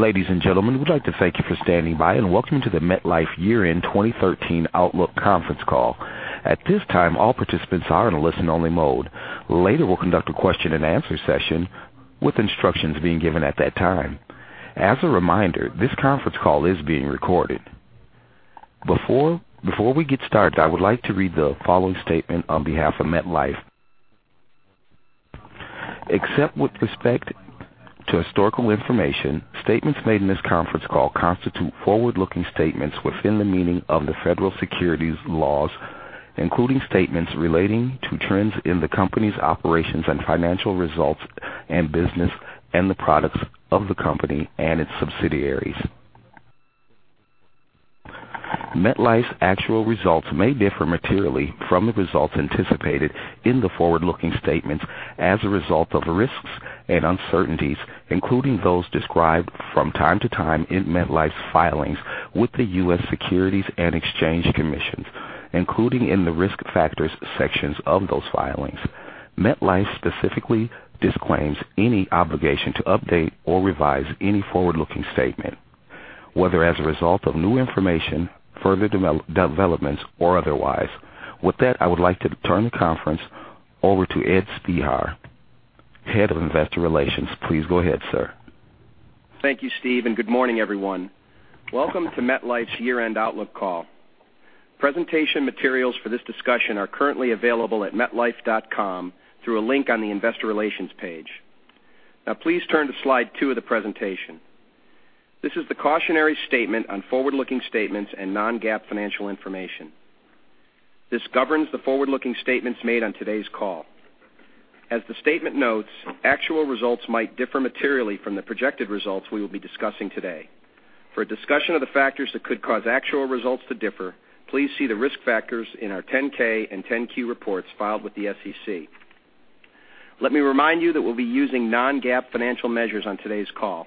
Ladies and gentlemen, we'd like to thank you for standing by and welcome to the MetLife Year-End 2013 Outlook Conference Call. At this time, all participants are in a listen-only mode. Later, we'll conduct a question and answer session with instructions being given at that time. As a reminder, this conference call is being recorded. Before we get started, I would like to read the following statement on behalf of MetLife. Except with respect to historical information, statements made in this conference call constitute forward-looking statements within the meaning of the federal securities laws, including statements relating to trends in the company's operations and financial results and business and the products of the company and its subsidiaries. MetLife's actual results may differ materially from the results anticipated in the forward-looking statements as a result of risks and uncertainties, including those described from time to time in MetLife's filings with the U.S. Securities and Exchange Commission, including in the Risk Factors sections of those filings. MetLife specifically disclaims any obligation to update or revise any forward-looking statement, whether as a result of new information, further developments, or otherwise. With that, I would like to turn the conference over to Edward Spehar, Head of Investor Relations. Please go ahead, sir. Thank you, Steve, and good morning, everyone. Welcome to MetLife's year-end outlook call. Presentation materials for this discussion are currently available at metlife.com through a link on the investor relations page. Now please turn to slide two of the presentation. This is the cautionary statement on forward-looking statements and non-GAAP financial information. This governs the forward-looking statements made on today's call. As the statement notes, actual results might differ materially from the projected results we will be discussing today. For a discussion of the factors that could cause actual results to differ, please see the risk factors in our 10-K and 10-Q reports filed with the SEC. Let me remind you that we'll be using non-GAAP financial measures on today's call.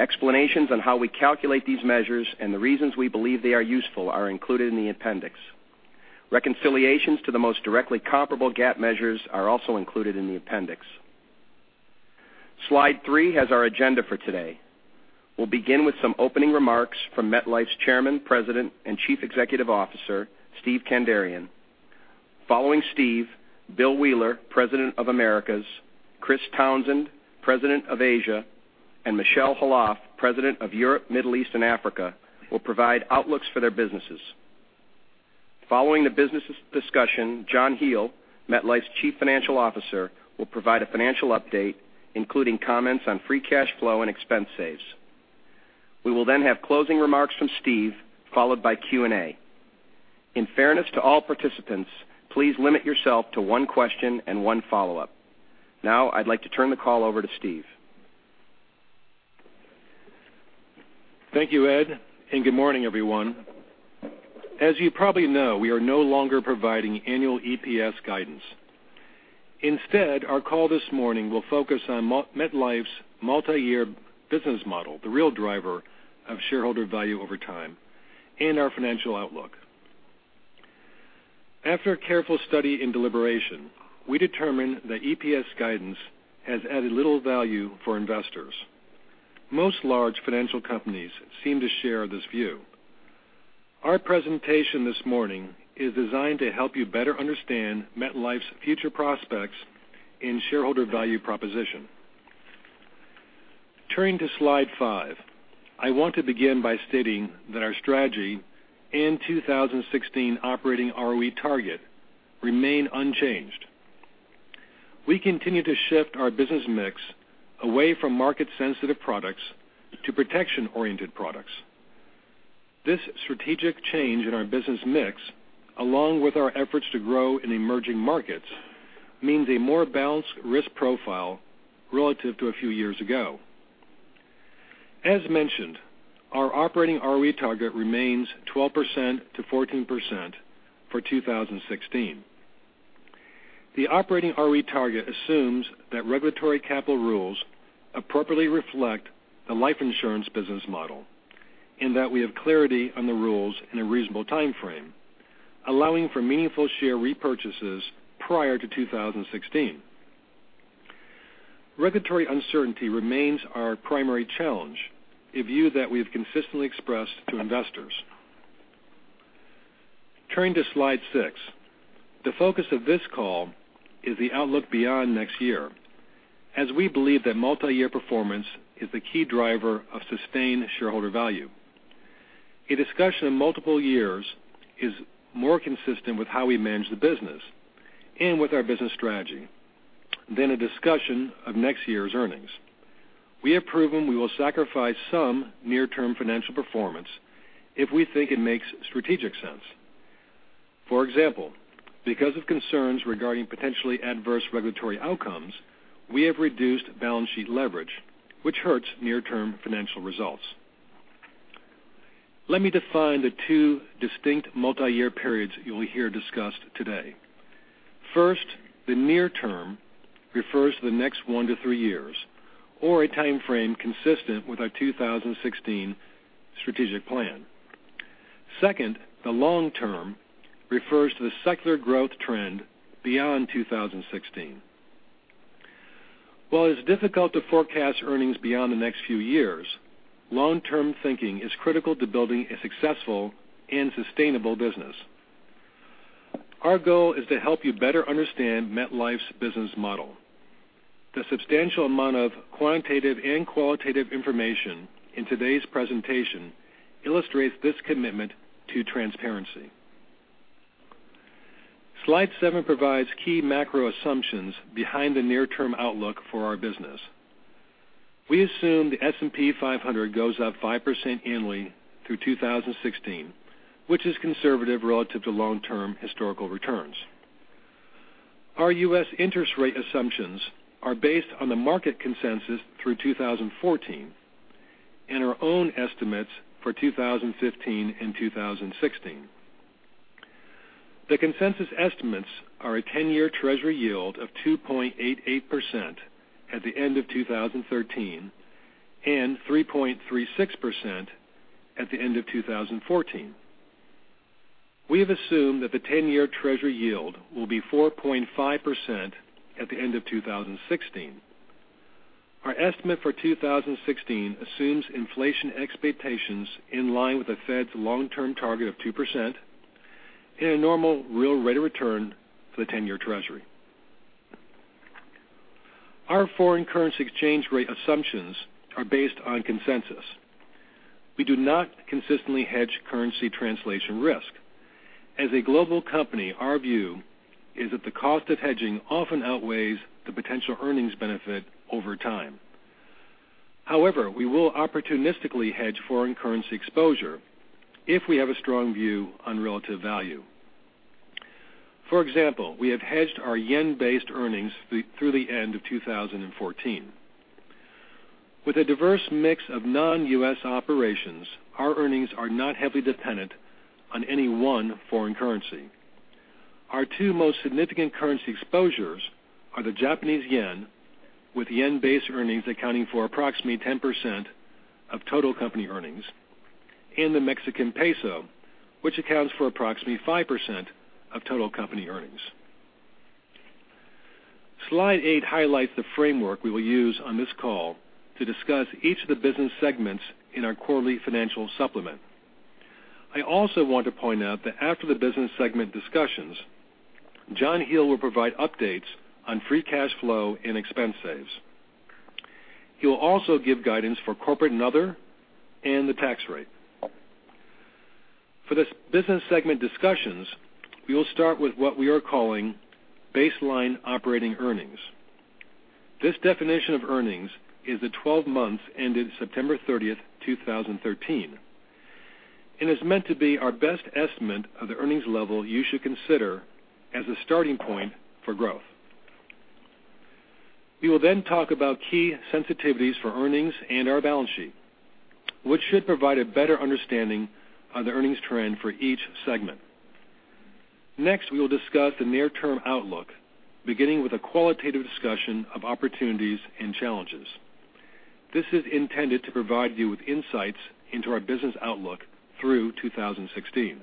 Explanations on how we calculate these measures and the reasons we believe they are useful are included in the appendix. Reconciliations to the most directly comparable GAAP measures are also included in the appendix. Slide three has our agenda for today. We'll begin with some opening remarks from MetLife's Chairman, President, and Chief Executive Officer, Steve Kandarian. Following Steve, Bill Wheeler, President of Americas, Chris Townsend, President of Asia, and Michel Khalaf, President of Europe, Middle East, and Africa, will provide outlooks for their businesses. Following the business discussion, John Hele, MetLife's Chief Financial Officer, will provide a financial update, including comments on free cash flow and expense saves. We will then have closing remarks from Steve, followed by Q&A. In fairness to all participants, please limit yourself to one question and one follow-up. Now I'd like to turn the call over to Steve. Thank you, Ed, and good morning, everyone. As you probably know, we are no longer providing annual EPS guidance. Instead, our call this morning will focus on MetLife's multi-year business model, the real driver of shareholder value over time, and our financial outlook. After a careful study and deliberation, we determined that EPS guidance has added little value for investors. Most large financial companies seem to share this view. Our presentation this morning is designed to help you better understand MetLife's future prospects and shareholder value proposition. Turning to slide five, I want to begin by stating that our strategy and 2016 operating ROE target remain unchanged. We continue to shift our business mix away from market-sensitive products to protection-oriented products. This strategic change in our business mix, along with our efforts to grow in emerging markets, means a more balanced risk profile relative to a few years ago. As mentioned, our operating ROE target remains 12%-14% for 2016. The operating ROE target assumes that regulatory capital rules appropriately reflect the life insurance business model and that we have clarity on the rules in a reasonable timeframe, allowing for meaningful share repurchases prior to 2016. Regulatory uncertainty remains our primary challenge, a view that we have consistently expressed to investors. Turning to slide six, the focus of this call is the outlook beyond next year, as we believe that multi-year performance is the key driver of sustained shareholder value. A discussion of multiple years is more consistent with how we manage the business and with our business strategy than a discussion of next year's earnings. We have proven we will sacrifice some near-term financial performance if we think it makes strategic sense. For example, because of concerns regarding potentially adverse regulatory outcomes, we have reduced balance sheet leverage, which hurts near-term financial results. Let me define the two distinct multi-year periods you'll hear discussed today. First, the near term refers to the next one to three years or a timeframe consistent with our 2016 strategic plan. Second, the long term refers to the secular growth trend beyond 2016. While it is difficult to forecast earnings beyond the next few years, long-term thinking is critical to building a successful and sustainable business. Our goal is to help you better understand MetLife's business model. The substantial amount of quantitative and qualitative information in today's presentation illustrates this commitment to transparency. Slide seven provides key macro assumptions behind the near-term outlook for our business. We assume the S&P 500 goes up 5% annually through 2016, which is conservative relative to long-term historical returns. Our U.S. interest rate assumptions are based on the market consensus through 2014, and our own estimates for 2015 and 2016. The consensus estimates are a 10-year treasury yield of 2.88% at the end of 2013 and 3.36% at the end of 2014. We have assumed that the 10-year treasury yield will be 4.5% at the end of 2016. Our estimate for 2016 assumes inflation expectations in line with the Fed's long-term target of 2% in a normal real rate of return for the 10-year treasury. Our foreign currency exchange rate assumptions are based on consensus. We do not consistently hedge currency translation risk. As a global company, our view is that the cost of hedging often outweighs the potential earnings benefit over time. However, we will opportunistically hedge foreign currency exposure if we have a strong view on relative value. For example, we have hedged our yen-based earnings through the end of 2014. With a diverse mix of non-U.S. operations, our earnings are not heavily dependent on any one foreign currency. Our two most significant currency exposures are the Japanese yen, with yen-based earnings accounting for approximately 10% of total company earnings, and the Mexican peso, which accounts for approximately 5% of total company earnings. Slide eight highlights the framework we will use on this call to discuss each of the business segments in our quarterly financial supplement. I also want to point out that after the business segment discussions, John Hele will provide updates on free cash flow and expense saves. He will also give guidance for Corporate and Other, and the tax rate. For this business segment discussions, we will start with what we are calling baseline operating earnings. This definition of earnings is the 12 months ended September 30th, 2013, and is meant to be our best estimate of the earnings level you should consider as a starting point for growth. We will then talk about key sensitivities for earnings and our balance sheet, which should provide a better understanding of the earnings trend for each segment. Next, we will discuss the near-term outlook, beginning with a qualitative discussion of opportunities and challenges. This is intended to provide you with insights into our business outlook through 2016.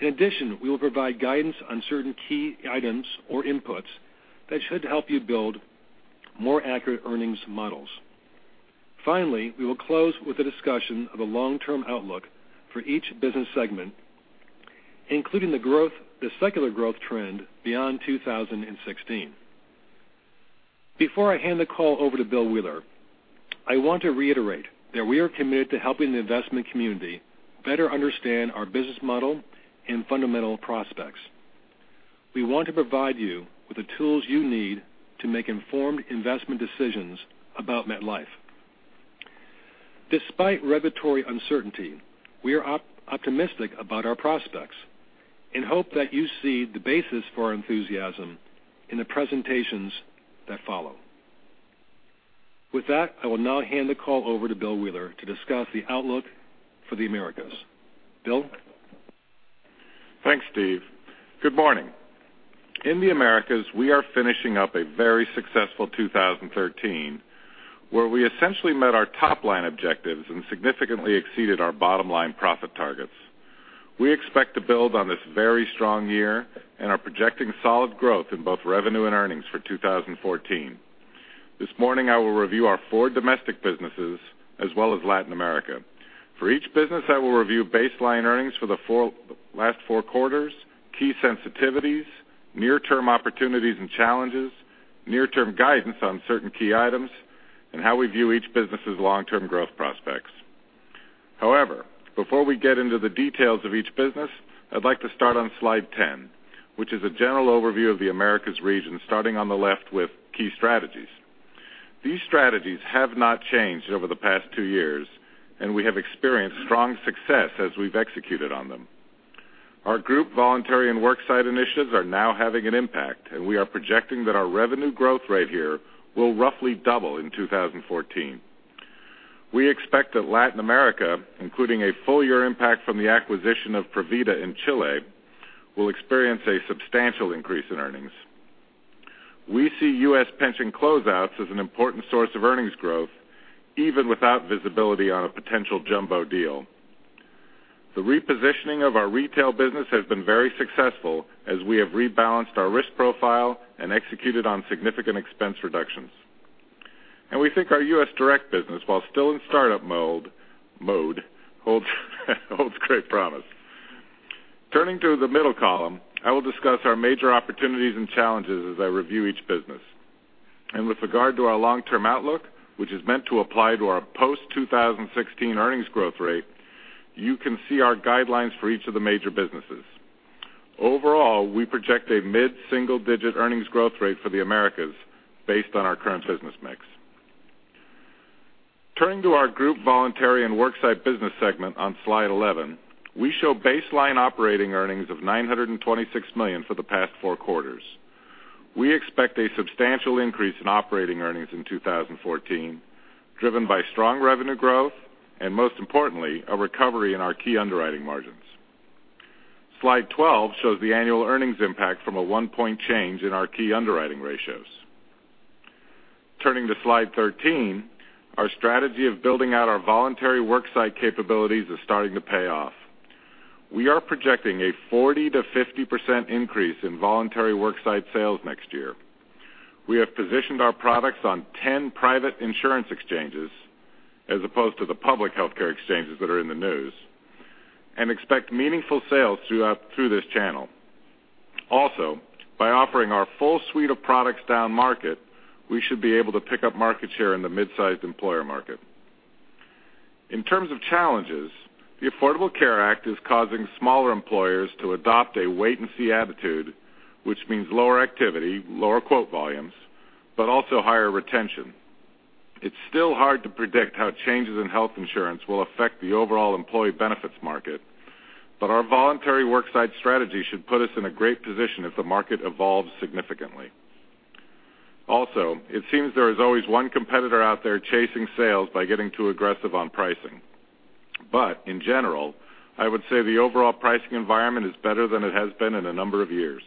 In addition, we will provide guidance on certain key items or inputs that should help you build more accurate earnings models. Finally, we will close with a discussion of a long-term outlook for each business segment, including the secular growth trend beyond 2016. Before I hand the call over to Bill Wheeler, I want to reiterate that we are committed to helping the investment community better understand our business model and fundamental prospects. We want to provide you with the tools you need to make informed investment decisions about MetLife. Despite regulatory uncertainty, we are optimistic about our prospects and hope that you see the basis for our enthusiasm in the presentations that follow. With that, I will now hand the call over to Bill Wheeler to discuss the outlook for the Americas. Bill? Thanks, Steve. Good morning. In the Americas, we are finishing up a very successful 2013, where we essentially met our top-line objectives and significantly exceeded our bottom-line profit targets. We expect to build on this very strong year and are projecting solid growth in both revenue and earnings for 2014. This morning, I will review our four domestic businesses as well as Latin America. For each business, I will review baseline earnings for the last four quarters, key sensitivities, near-term opportunities and challenges, near-term guidance on certain key items, and how we view each business's long-term growth prospects. However, before we get into the details of each business, I'd like to start on slide 10, which is a general overview of the Americas region, starting on the left with key strategies. These strategies have not changed over the past two years. We have experienced strong success as we've executed on them. Our Group Voluntary and Worksite initiatives are now having an impact, and we are projecting that our revenue growth rate here will roughly double in 2014. We expect that Latin America, including a full-year impact from the acquisition of Provida in Chile, will experience a substantial increase in earnings. We see U.S. pension closeouts as an important source of earnings growth, even without visibility on a potential jumbo deal. The repositioning of our retail business has been very successful as we have rebalanced our risk profile and executed on significant expense reductions. We think our U.S. direct business, while still in startup mode, holds great promise. Turning to the middle column, I will discuss our major opportunities and challenges as I review each business. With regard to our long-term outlook, which is meant to apply to our post-2016 earnings growth rate, you can see our guidelines for each of the major businesses. Overall, we project a mid-single-digit earnings growth rate for the Americas based on our current business mix. Turning to our Group Voluntary and Worksite business segment on slide 11, we show baseline operating earnings of $926 million for the past four quarters. We expect a substantial increase in operating earnings in 2014, driven by strong revenue growth and, most importantly, a recovery in our key underwriting margins. Slide 12 shows the annual earnings impact from a one-point change in our key underwriting ratios. Turning to slide 13, our strategy of building out our voluntary worksite capabilities is starting to pay off. We are projecting a 40%-50% increase in voluntary worksite sales next year. We have positioned our products on 10 private insurance exchanges, as opposed to the public healthcare exchanges that are in the news, and expect meaningful sales through this channel. Also, by offering our full suite of products down market, we should be able to pick up market share in the mid-sized employer market. In terms of challenges, the Affordable Care Act is causing smaller employers to adopt a wait and see attitude, which means lower activity, lower quote volumes, but also higher retention. It's still hard to predict how changes in health insurance will affect the overall employee benefits market. Our voluntary worksite strategy should put us in a great position if the market evolves significantly. Also, it seems there is always one competitor out there chasing sales by getting too aggressive on pricing. In general, I would say the overall pricing environment is better than it has been in a number of years.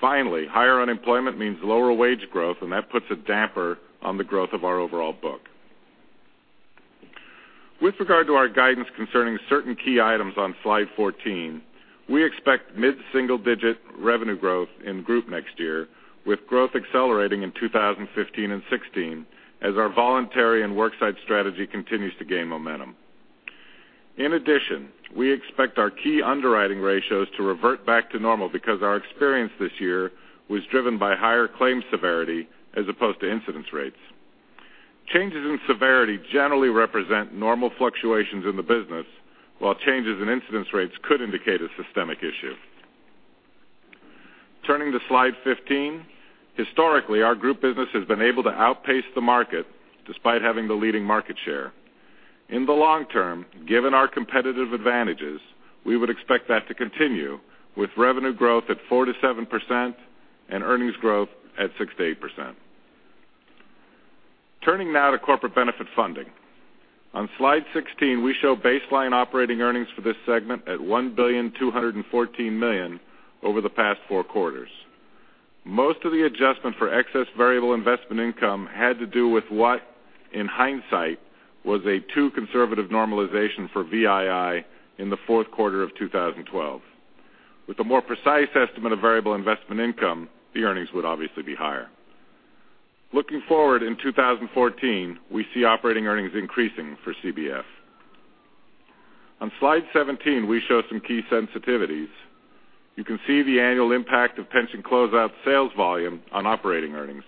Finally, higher unemployment means lower wage growth, and that puts a damper on the growth of our overall book. With regard to our guidance concerning certain key items on slide 14, we expect mid-single-digit revenue growth in Group next year, with growth accelerating in 2015 and 2016 as our voluntary and worksite strategy continues to gain momentum. In addition, we expect our key underwriting ratios to revert back to normal because our experience this year was driven by higher claims severity as opposed to incidence rates. Changes in severity generally represent normal fluctuations in the business, while changes in incidence rates could indicate a systemic issue. Turning to slide 15, historically, our Group business has been able to outpace the market despite having the leading market share. In the long term, given our competitive advantages, we would expect that to continue with revenue growth at 4%-7% and earnings growth at 6%-8%. Turning now to Corporate Benefit Funding. On slide 16, we show baseline operating earnings for this segment at $1.214 billion over the past four quarters. Most of the adjustment for excess variable investment income had to do with what, in hindsight, was a too conservative normalization for VII in the fourth quarter of 2012. With a more precise estimate of variable investment income, the earnings would obviously be higher. Looking forward in 2014, we see operating earnings increasing for CBF. On slide 17, we show some key sensitivities. You can see the annual impact of pension closeout sales volume on operating earnings.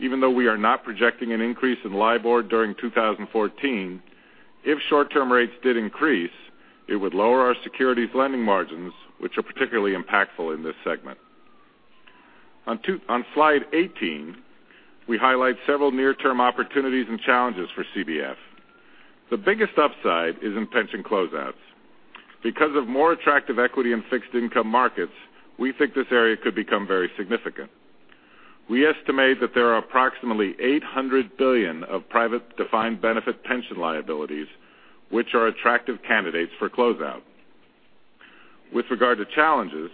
Even though we are not projecting an increase in LIBOR during 2014, if short-term rates did increase, it would lower our securities lending margins, which are particularly impactful in this segment. On slide 18, we highlight several near-term opportunities and challenges for CBF. The biggest upside is in pension closeouts. Because of more attractive equity in fixed income markets, we think this area could become very significant. We estimate that there are approximately $800 billion of private defined benefit pension liabilities, which are attractive candidates for closeout. With regard to challenges,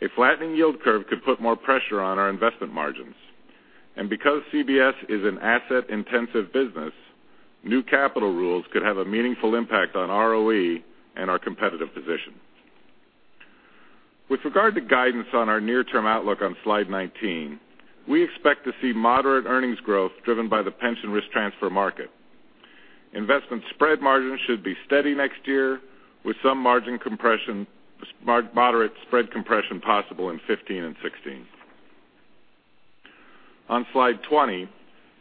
a flattening yield curve could put more pressure on our investment margins. Because CBF is an asset-intensive business, new capital rules could have a meaningful impact on ROE and our competitive position. With regard to guidance on our near-term outlook on slide 19, we expect to see moderate earnings growth driven by the pension risk transfer market. Investment spread margins should be steady next year, with some moderate spread compression possible in 2015 and 2016. On slide 20,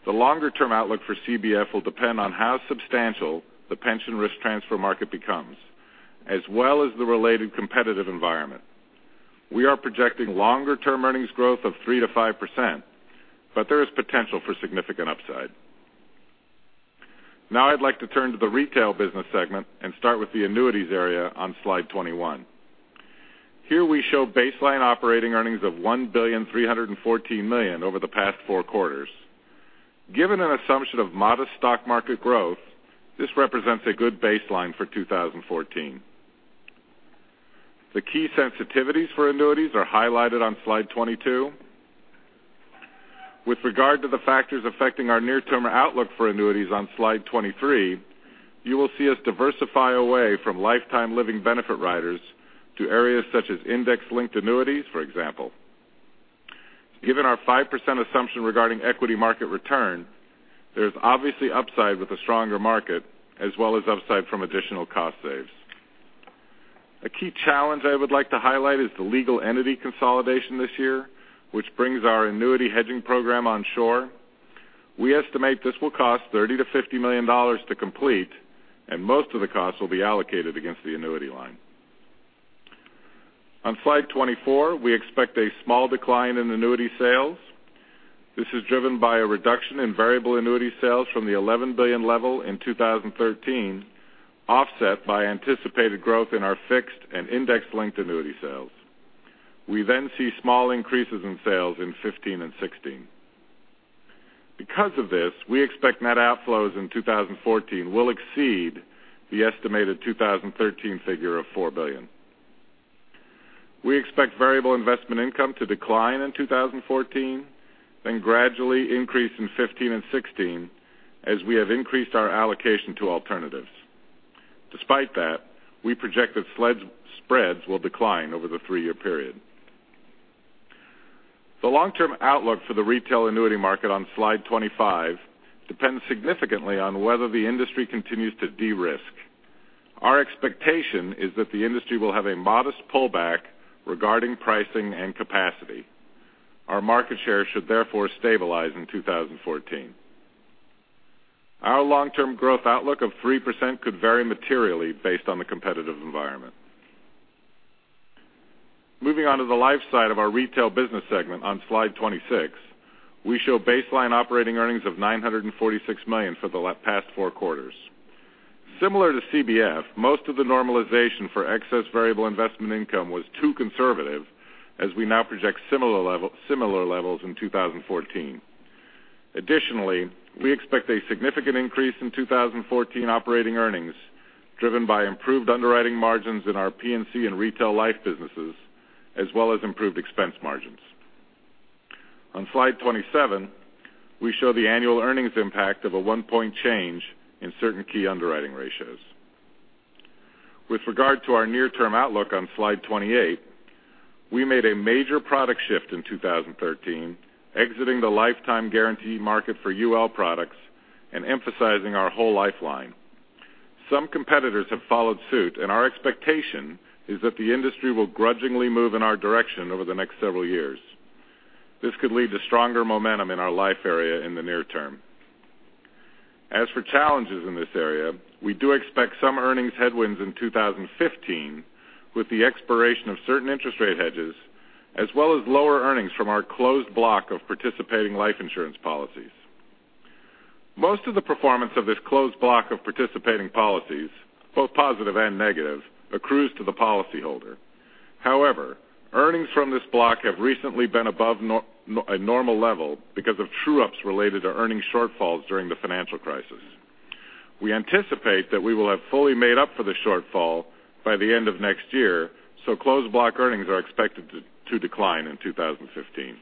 the longer-term outlook for CBF will depend on how substantial the pension risk transfer market becomes, as well as the related competitive environment. We are projecting longer-term earnings growth of 3%-5%, but there is potential for significant upside. I'd like to turn to the Retail business segment and start with the annuities area on slide 21. Here we show baseline operating earnings of $1.314 billion over the past four quarters. Given an assumption of modest stock market growth, this represents a good baseline for 2014. The key sensitivities for annuities are highlighted on Slide 22. With regard to the factors affecting our near-term outlook for annuities on Slide 23, you will see us diversify away from lifetime living benefit riders to areas such as index-linked annuities, for example. Given our 5% assumption regarding equity market return, there is obviously upside with a stronger market as well as upside from additional cost saves. A key challenge I would like to highlight is the legal entity consolidation this year, which brings our annuity hedging program on shore. We estimate this will cost $30 million-$50 million to complete, and most of the cost will be allocated against the annuity line. On Slide 24, we expect a small decline in annuity sales. This is driven by a reduction in variable annuity sales from the $11 billion level in 2013, offset by anticipated growth in our fixed and index-linked annuity sales. We see small increases in sales in 2015 and 2016. Because of this, we expect net outflows in 2014 will exceed the estimated 2013 figure of $4 billion. We expect variable investment income to decline in 2014, gradually increase in 2015 and 2016, as we have increased our allocation to alternatives. Despite that, we project that spreads will decline over the 3-year period. The long-term outlook for the retail annuity market on Slide 25 depends significantly on whether the industry continues to de-risk. Our expectation is that the industry will have a modest pullback regarding pricing and capacity. Our market share should therefore stabilize in 2014. Our long-term growth outlook of 3% could vary materially based on the competitive environment. Moving on to the life side of our retail business segment on Slide 26, we show baseline operating earnings of $946 million for the past four quarters. Similar to CBF, most of the normalization for excess variable investment income was too conservative as we now project similar levels in 2014. Additionally, we expect a significant increase in 2014 operating earnings, driven by improved underwriting margins in our P&C and retail life businesses, as well as improved expense margins. On Slide 27, we show the annual earnings impact of a 1-point change in certain key underwriting ratios. With regard to our near-term outlook on Slide 28, we made a major product shift in 2013, exiting the lifetime guarantee market for UL products and emphasizing our whole life line. Some competitors have followed suit, our expectation is that the industry will grudgingly move in our direction over the next several years. This could lead to stronger momentum in our life area in the near term. As for challenges in this area, we do expect some earnings headwinds in 2015 with the expiration of certain interest rate hedges, as well as lower earnings from our closed block of participating life insurance policies. Most of the performance of this closed block of participating policies, both positive and negative, accrues to the policyholder. However, earnings from this block have recently been above a normal level because of true-ups related to earnings shortfalls during the financial crisis. We anticipate that we will have fully made up for the shortfall by the end of next year, closed block earnings are expected to decline in 2015.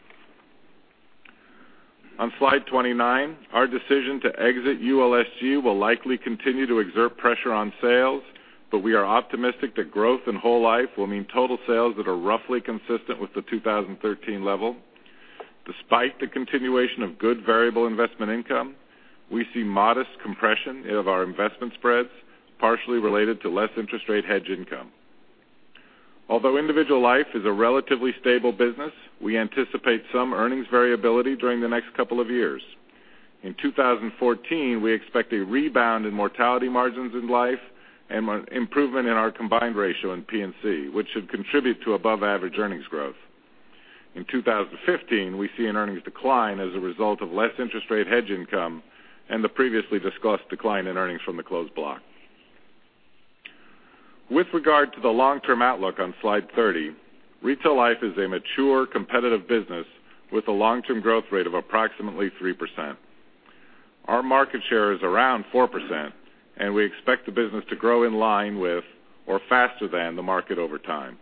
On Slide 29, our decision to exit ULSG will likely continue to exert pressure on sales, but we are optimistic that growth in whole life will mean total sales that are roughly consistent with the 2013 level. Despite the continuation of good variable investment income, we see modest compression of our investment spreads, partially related to less interest rate hedge income. Although individual life is a relatively stable business, we anticipate some earnings variability during the next couple of years. In 2014, we expect a rebound in mortality margins in life and improvement in our combined ratio in P&C, which should contribute to above-average earnings growth. In 2015, we see an earnings decline as a result of less interest rate hedge income and the previously discussed decline in earnings from the closed block. With regard to the long-term outlook on Slide 30, retail life is a mature, competitive business with a long-term growth rate of approximately 3%. Our market share is around 4%, we expect the business to grow in line with or faster than the market over time.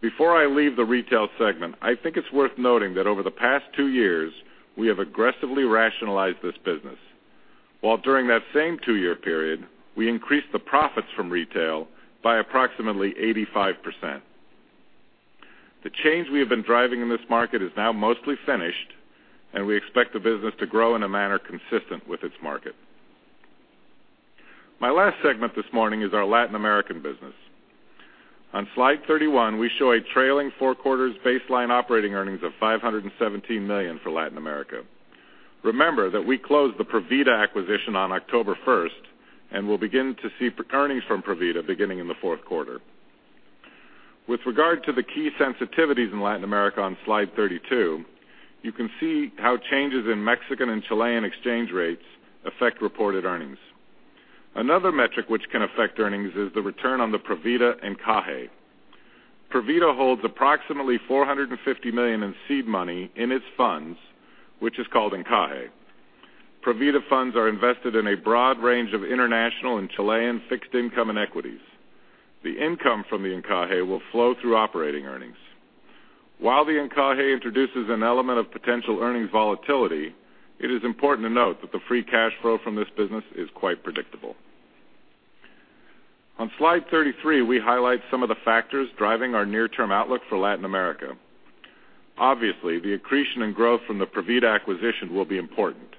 Before I leave the retail segment, I think it is worth noting that over the past two years, we have aggressively rationalized this business, while during that same two-year period, we increased the profits from retail by approximately 85%. The change we have been driving in this market is now mostly finished, and we expect the business to grow in a manner consistent with its market. My last segment this morning is our Latin American business. On Slide 31, we show a trailing four quarters baseline operating earnings of $517 million for Latin America. Remember that we closed the Provida acquisition on October 1st, and we will begin to see earnings from Provida beginning in the fourth quarter. With regard to the key sensitivities in Latin America on Slide 32, you can see how changes in Mexican and Chilean exchange rates affect reported earnings. Another metric which can affect earnings is the return on the Provida encaje. Provida holds approximately $450 million in seed money in its funds, which is called encaje. Provida funds are invested in a broad range of international and Chilean fixed income and equities. The income from the encaje will flow through operating earnings. While the encaje introduces an element of potential earnings volatility, it is important to note that the free cash flow from this business is quite predictable. On Slide 33, we highlight some of the factors driving our near-term outlook for Latin America. Obviously, the accretion and growth from the Provida acquisition will be important.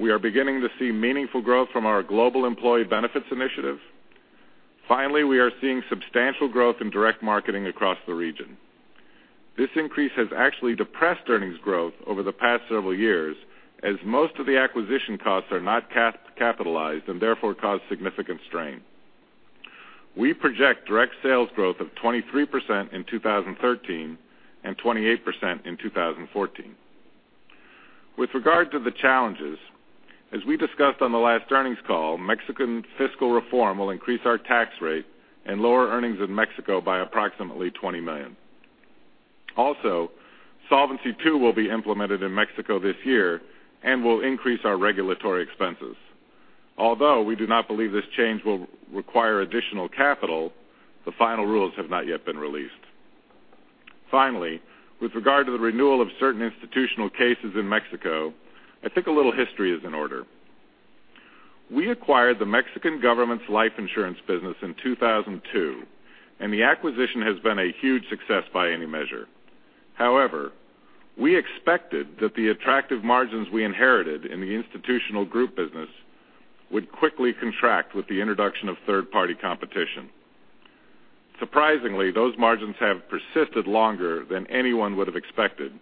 We are beginning to see meaningful growth from our global employee benefits initiative. Finally, we are seeing substantial growth in direct marketing across the region. This increase has actually depressed earnings growth over the past several years, as most of the acquisition costs are not capitalized and therefore cause significant strain. We project direct sales growth of 23% in 2013 and 28% in 2014. With regard to the challenges, as we discussed on the last earnings call, Mexican fiscal reform will increase our tax rate and lower earnings in Mexico by approximately $20 million. Also, Solvency II will be implemented in Mexico this year and will increase our regulatory expenses. Although we do not believe this change will require additional capital, the final rules have not yet been released. Finally, with regard to the renewal of certain institutional cases in Mexico, I think a little history is in order. We acquired the Mexican government's life insurance business in 2002, and the acquisition has been a huge success by any measure. We expected that the attractive margins we inherited in the institutional group business would quickly contract with the introduction of third-party competition. Surprisingly, those margins have persisted longer than anyone would have expected.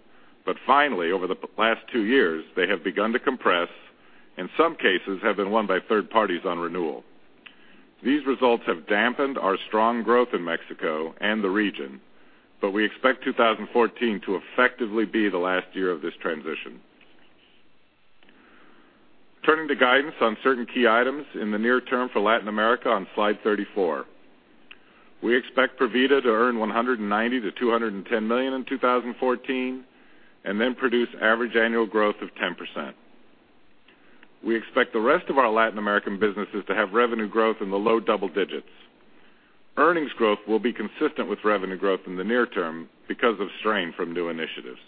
Finally, over the last two years, they have begun to compress and some cases have been won by third parties on renewal. These results have dampened our strong growth in Mexico and the region, but we expect 2014 to effectively be the last year of this transition. Turning to guidance on certain key items in the near term for Latin America on Slide 34. We expect Provida to earn $190 million-$210 million in 2014 and then produce average annual growth of 10%. We expect the rest of our Latin American businesses to have revenue growth in the low double digits. Earnings growth will be consistent with revenue growth in the near term because of strain from new initiatives.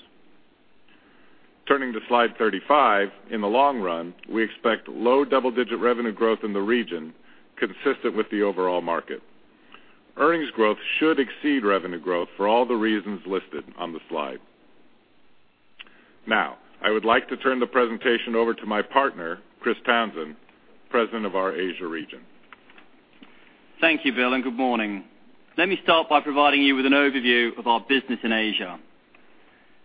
Turning to slide 35, in the long run, we expect low double-digit revenue growth in the region consistent with the overall market. Earnings growth should exceed revenue growth for all the reasons listed on the slide. I would like to turn the presentation over to my partner, Chris Townsend, President of our Asia region. Thank you, Bill. Good morning. Let me start by providing you with an overview of our business in Asia.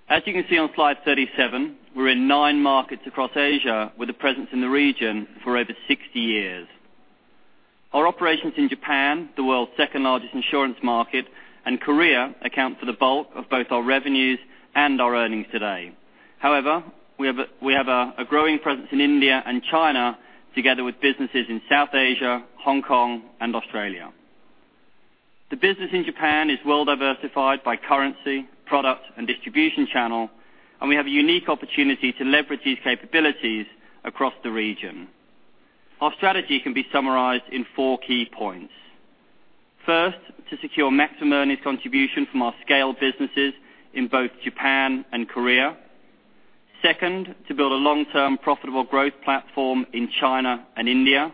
As you can see on slide 37, we're in nine markets across Asia with a presence in the region for over 60 years. Our operations in Japan, the world's second largest insurance market, and Korea account for the bulk of both our revenues and our earnings today. However, we have a growing presence in India and China, together with businesses in South Asia, Hong Kong and Australia. The business in Japan is well diversified by currency, product, and distribution channel, and we have a unique opportunity to leverage these capabilities across the region. Our strategy can be summarized in four key points. First, to secure maximum earnings contribution from our scale businesses in both Japan and Korea. Second, to build a long-term profitable growth platform in China and India.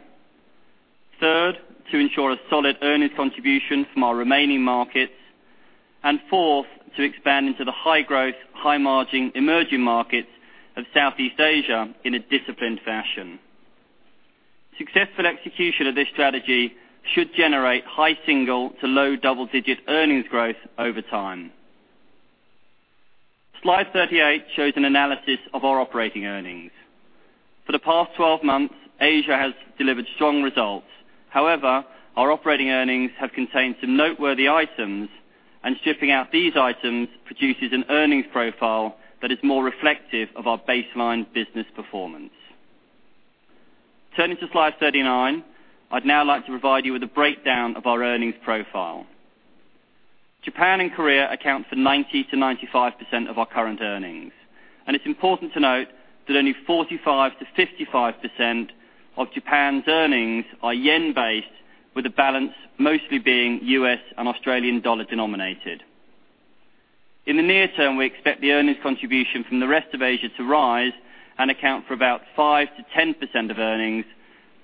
Third, to ensure a solid earnings contribution from our remaining markets. Fourth, to expand into the high growth, high margin emerging markets of Southeast Asia in a disciplined fashion. Successful execution of this strategy should generate high single to low double-digit earnings growth over time. Slide 38 shows an analysis of our operating earnings. For the past 12 months, Asia has delivered strong results. However, our operating earnings have contained some noteworthy items, and stripping out these items produces an earnings profile that is more reflective of our baseline business performance. Turning to slide 39. I'd now like to provide you with a breakdown of our earnings profile. Japan and Korea account for 90%-95% of our current earnings, and it's important to note that only 45%-55% of Japan's earnings are yen-based, with the balance mostly being U.S. and AUD denominated. In the near term, we expect the earnings contribution from the rest of Asia to rise and account for about 5%-10% of earnings,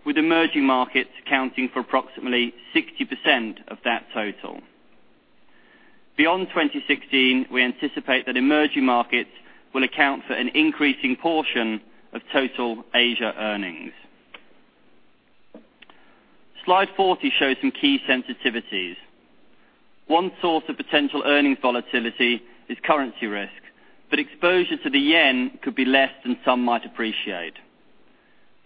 with emerging markets accounting for approximately 60% of that total. Beyond 2016, we anticipate that emerging markets will account for an increasing portion of total Asia earnings. Slide 40 shows some key sensitivities. One source of potential earnings volatility is currency risk, but exposure to the yen could be less than some might appreciate.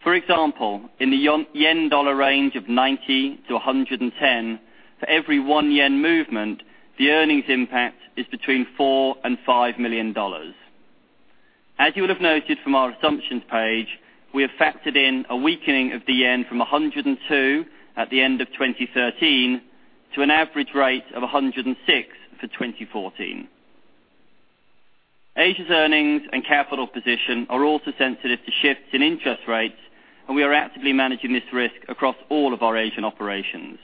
For example, in the JPY-USD range of 90 to 110, for every one yen movement, the earnings impact is between $4 million-$5 million. As you would have noted from our assumptions page, we have factored in a weakening of the yen from 102 at the end of 2013 to an average rate of 106 for 2014. Asia's earnings and capital position are also sensitive to shifts in interest rates, and we are actively managing this risk across all of our Asian operations.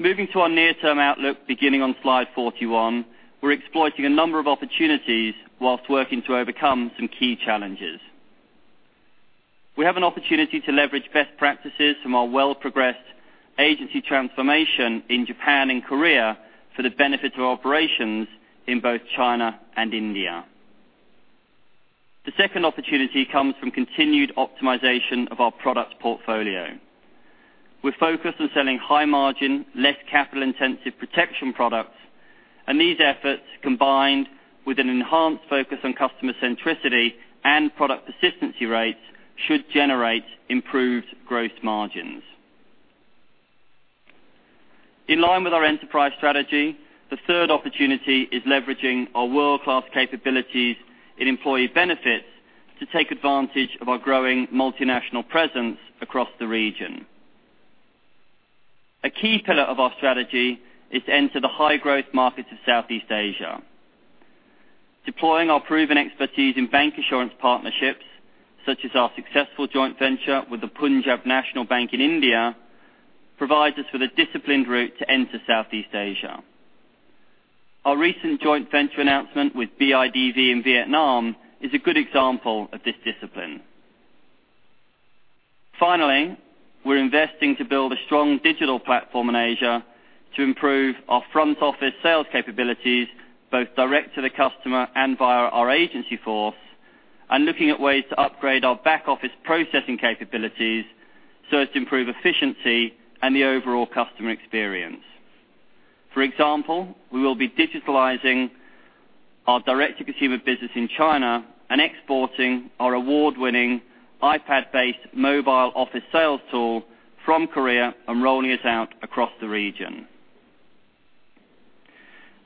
Moving to our near-term outlook beginning on slide 41, we're exploiting a number of opportunities whilst working to overcome some key challenges. We have an opportunity to leverage best practices from our well-progressed agency transformation in Japan and Korea for the benefit of operations in both China and India. The second opportunity comes from continued optimization of our product portfolio. We're focused on selling high margin, less capital intensive protection products, and these efforts, combined with an enhanced focus on customer centricity and product persistency rates, should generate improved gross margins. In line with our enterprise strategy, the third opportunity is leveraging our world class capabilities in employee benefits to take advantage of our growing multinational presence across the region. A key pillar of our strategy is to enter the high growth markets of Southeast Asia. Deploying our proven expertise in bancassurance partnerships, such as our successful joint venture with the Punjab National Bank in India, provides us with a disciplined route to enter Southeast Asia. Our recent joint venture announcement with BIDV in Vietnam is a good example of this discipline. Finally, we're investing to build a strong digital platform in Asia to improve our front office sales capabilities, both direct to the customer and via our agency force, and looking at ways to upgrade our back office processing capabilities so as to improve efficiency and the overall customer experience. For example, we will be digitalizing our direct to consumer business in China and exporting our award winning iPad based mobile office sales tool from Korea and rolling it out across the region.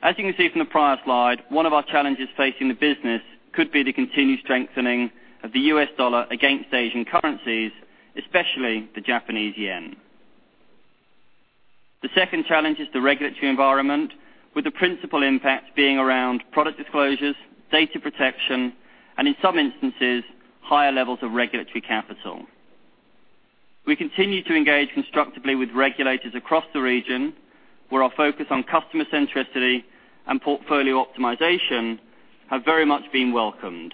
As you can see from the prior slide, one of our challenges facing the business could be the continued strengthening of the U.S. dollar against Asian currencies, especially the Japanese yen. The second challenge is the regulatory environment, with the principal impact being around product disclosures, data protection, and in some instances, higher levels of regulatory capital. We continue to engage constructively with regulators across the region, where our focus on customer centricity and portfolio optimization have very much been welcomed.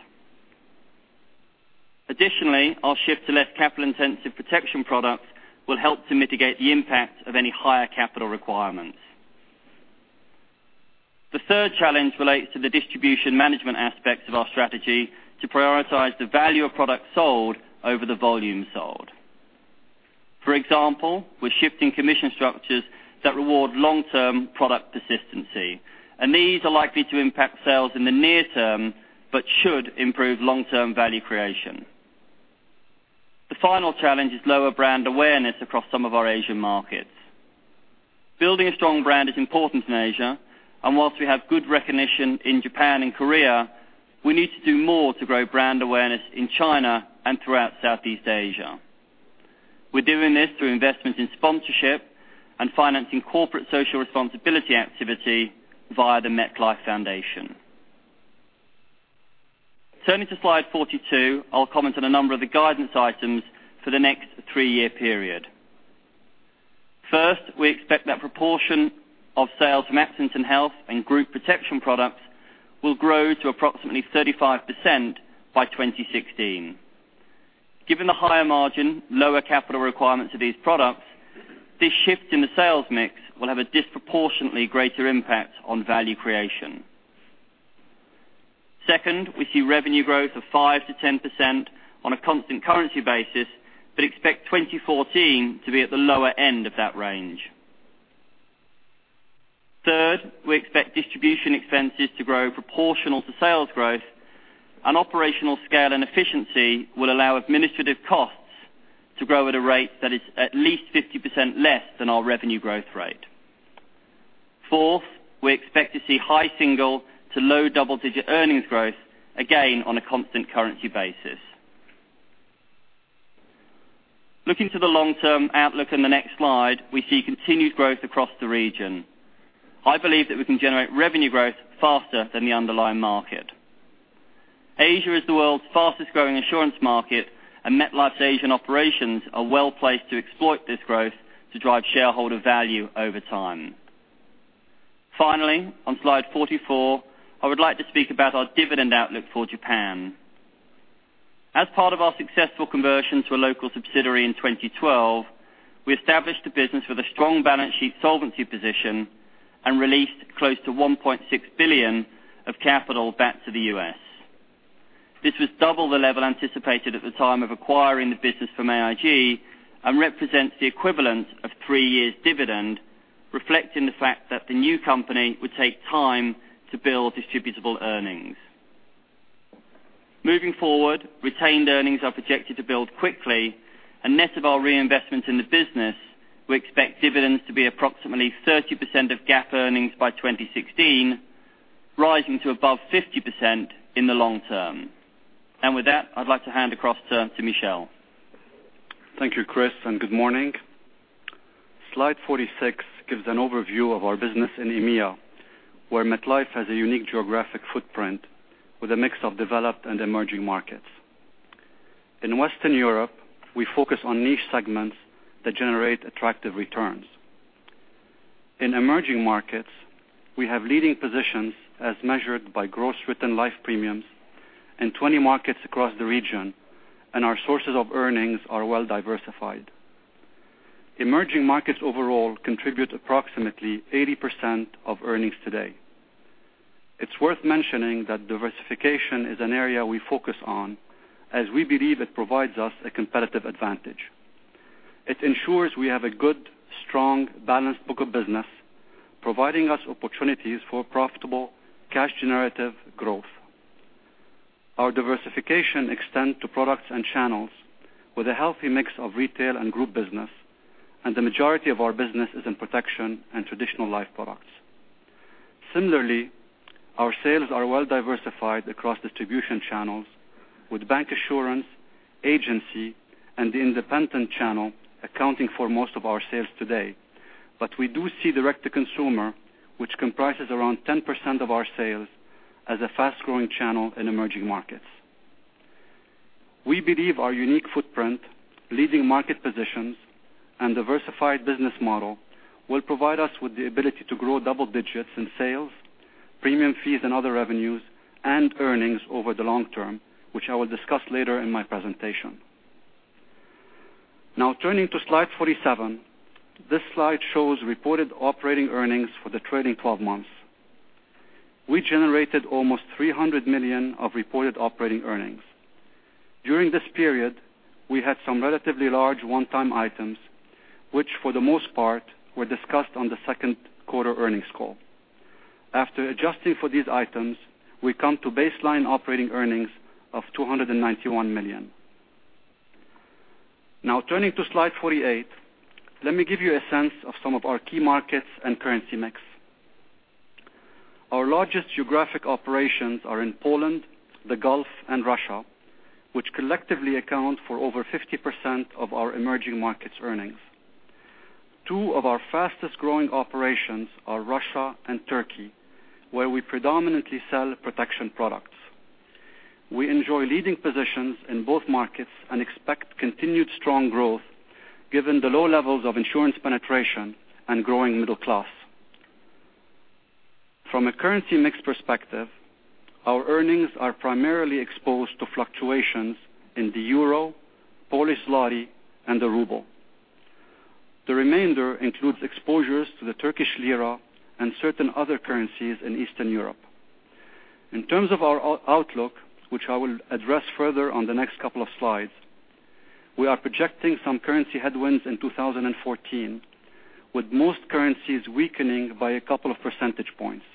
Additionally, our shift to less capital intensive protection products will help to mitigate the impact of any higher capital requirements. The third challenge relates to the distribution management aspects of our strategy to prioritize the value of product sold over the volume sold. For example, we're shifting commission structures that reward long term product persistency, and these are likely to impact sales in the near term but should improve long term value creation. The final challenge is lower brand awareness across some of our Asian markets. Building a strong brand is important in Asia, and whilst we have good recognition in Japan and Korea, we need to do more to grow brand awareness in China and throughout Southeast Asia. We're doing this through investments in sponsorship and financing corporate social responsibility activity via the MetLife Foundation. Turning to slide 42, I'll comment on a number of the guidance items for the next three year period. First, we expect that proportion of sales from absence and health and group protection products will grow to approximately 35% by 2016. Given the higher margin, lower capital requirements of these products, this shift in the sales mix will have a disproportionately greater impact on value creation. Second, we see revenue growth of 5% to 10% on a constant currency basis, but expect 2014 to be at the lower end of that range. Third, we expect distribution expenses to grow proportional to sales growth. An operational scale and efficiency will allow administrative costs to grow at a rate that is at least 50% less than our revenue growth rate. Fourth, we expect to see high single to low double digit earnings growth, again on a constant currency basis. Looking to the long-term outlook in the next slide, we see continued growth across the region. I believe that we can generate revenue growth faster than the underlying market. Asia is the world's fastest growing insurance market, and MetLife's Asian operations are well placed to exploit this growth to drive shareholder value over time. Finally, on slide 44, I would like to speak about our dividend outlook for Japan. As part of our successful conversion to a local subsidiary in 2012, we established a business with a strong balance sheet solvency position and released close to $1.6 billion of capital back to the U.S. This was double the level anticipated at the time of acquiring the business from AIG and represents the equivalent of three years dividend, reflecting the fact that the new company would take time to build distributable earnings. Moving forward, retained earnings are projected to build quickly and net of our reinvestments in the business, we expect dividends to be approximately 30% of GAAP earnings by 2016, rising to above 50% in the long term. With that, I'd like to hand across to Michel. Thank you, Chris, and good morning. Slide 46 gives an overview of our business in EMEA, where MetLife has a unique geographic footprint with a mix of developed and emerging markets. In Western Europe, we focus on niche segments that generate attractive returns. In emerging markets, we have leading positions as measured by gross written life premiums in 20 markets across the region, and our sources of earnings are well diversified. Emerging markets overall contribute approximately 80% of earnings today. It's worth mentioning that diversification is an area we focus on as we believe it provides us a competitive advantage. It ensures we have a good, strong, balanced book of business, providing us opportunities for profitable cash generative growth. Our diversification extend to products and channels with a healthy mix of retail and group business, and the majority of our business is in protection and traditional life products. Similarly, our sales are well diversified across distribution channels with bancassurance, agency and the independent channel accounting for most of our sales today. We do see direct to consumer, which comprises around 10% of our sales as a fast-growing channel in emerging markets. We believe our unique footprint, leading market positions, and diversified business model will provide us with the ability to grow double digits in sales, premium fees and other revenues and earnings over the long term, which I will discuss later in my presentation. Now turning to slide 47. This slide shows reported operating earnings for the trailing 12 months. We generated almost $300 million of reported operating earnings. During this period, we had some relatively large one-time items, which for the most part, were discussed on the second quarter earnings call. After adjusting for these items, we come to baseline operating earnings of $291 million. Now turning to slide 48, let me give you a sense of some of our key markets and currency mix. Our largest geographic operations are in Poland, the Gulf and Russia, which collectively account for over 50% of our emerging markets earnings. Two of our fastest growing operations are Russia and Turkey, where we predominantly sell protection products. We enjoy leading positions in both markets and expect continued strong growth given the low levels of insurance penetration and growing middle class. From a currency mix perspective, our earnings are primarily exposed to fluctuations in the EUR, Polish zloty, and the RUB. The remainder includes exposures to the Turkish lira and certain other currencies in Eastern Europe. In terms of our outlook, which I will address further on the next couple of slides, we are projecting some currency headwinds in 2014, with most currencies weakening by a couple of percentage points.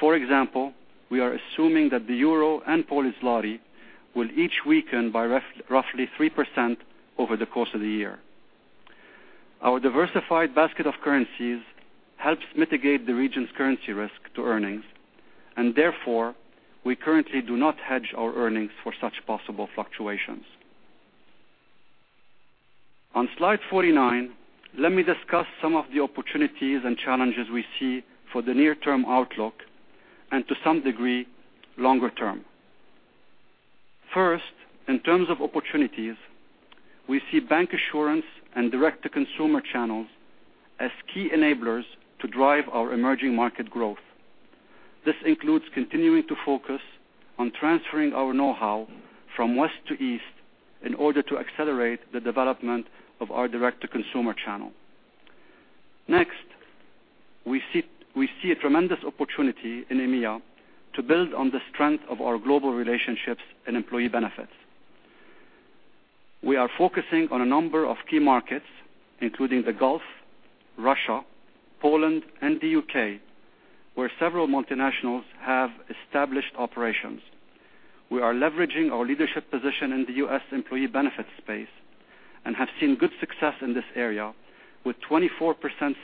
For example, we are assuming that the EUR and Polish zloty will each weaken by roughly 3% over the course of the year. Our diversified basket of currencies helps mitigate the region's currency risk to earnings, and therefore we currently do not hedge our earnings for such possible fluctuations. On slide 49, let me discuss some of the opportunities and challenges we see for the near term outlook and to some degree, longer term. First, in terms of opportunities, we see bancassurance and direct to consumer channels as key enablers to drive our emerging market growth. This includes continuing to focus on transferring our know-how from West to East in order to accelerate the development of our direct to consumer channel. Next, we see a tremendous opportunity in EMEA to build on the strength of our global relationships and employee benefits. We are focusing on a number of key markets, including the Gulf, Russia, Poland and the U.K., where several multinationals have established operations. We are leveraging our leadership position in the U.S. employee benefits space and have seen good success in this area with 24%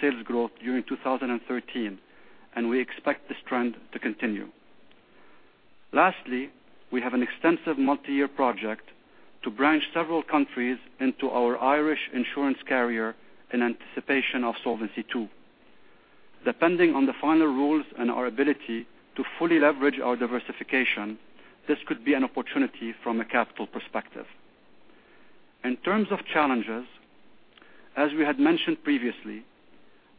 sales growth during 2013, and we expect this trend to continue. Lastly, we have an extensive multi-year project to branch several countries into our Irish insurance carrier in anticipation of Solvency II. Depending on the final rules and our ability to fully leverage our diversification, this could be an opportunity from a capital perspective. In terms of challenges, as we had mentioned previously,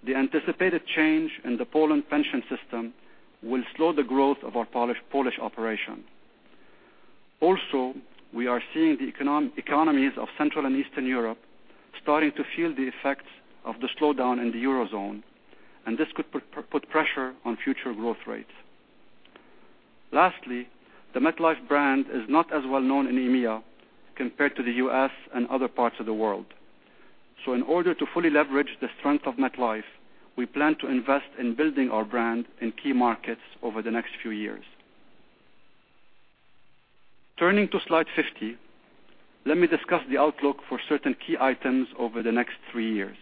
the anticipated change in the Poland pension system will slow the growth of our Polish operation. We are seeing the economies of Central and Eastern Europe starting to feel the effects of the slowdown in the Eurozone, and this could put pressure on future growth rates. Lastly, the MetLife brand is not as well known in EMEA compared to the U.S. and other parts of the world. In order to fully leverage the strength of MetLife, we plan to invest in building our brand in key markets over the next few years. Turning to slide 50, let me discuss the outlook for certain key items over the next three years.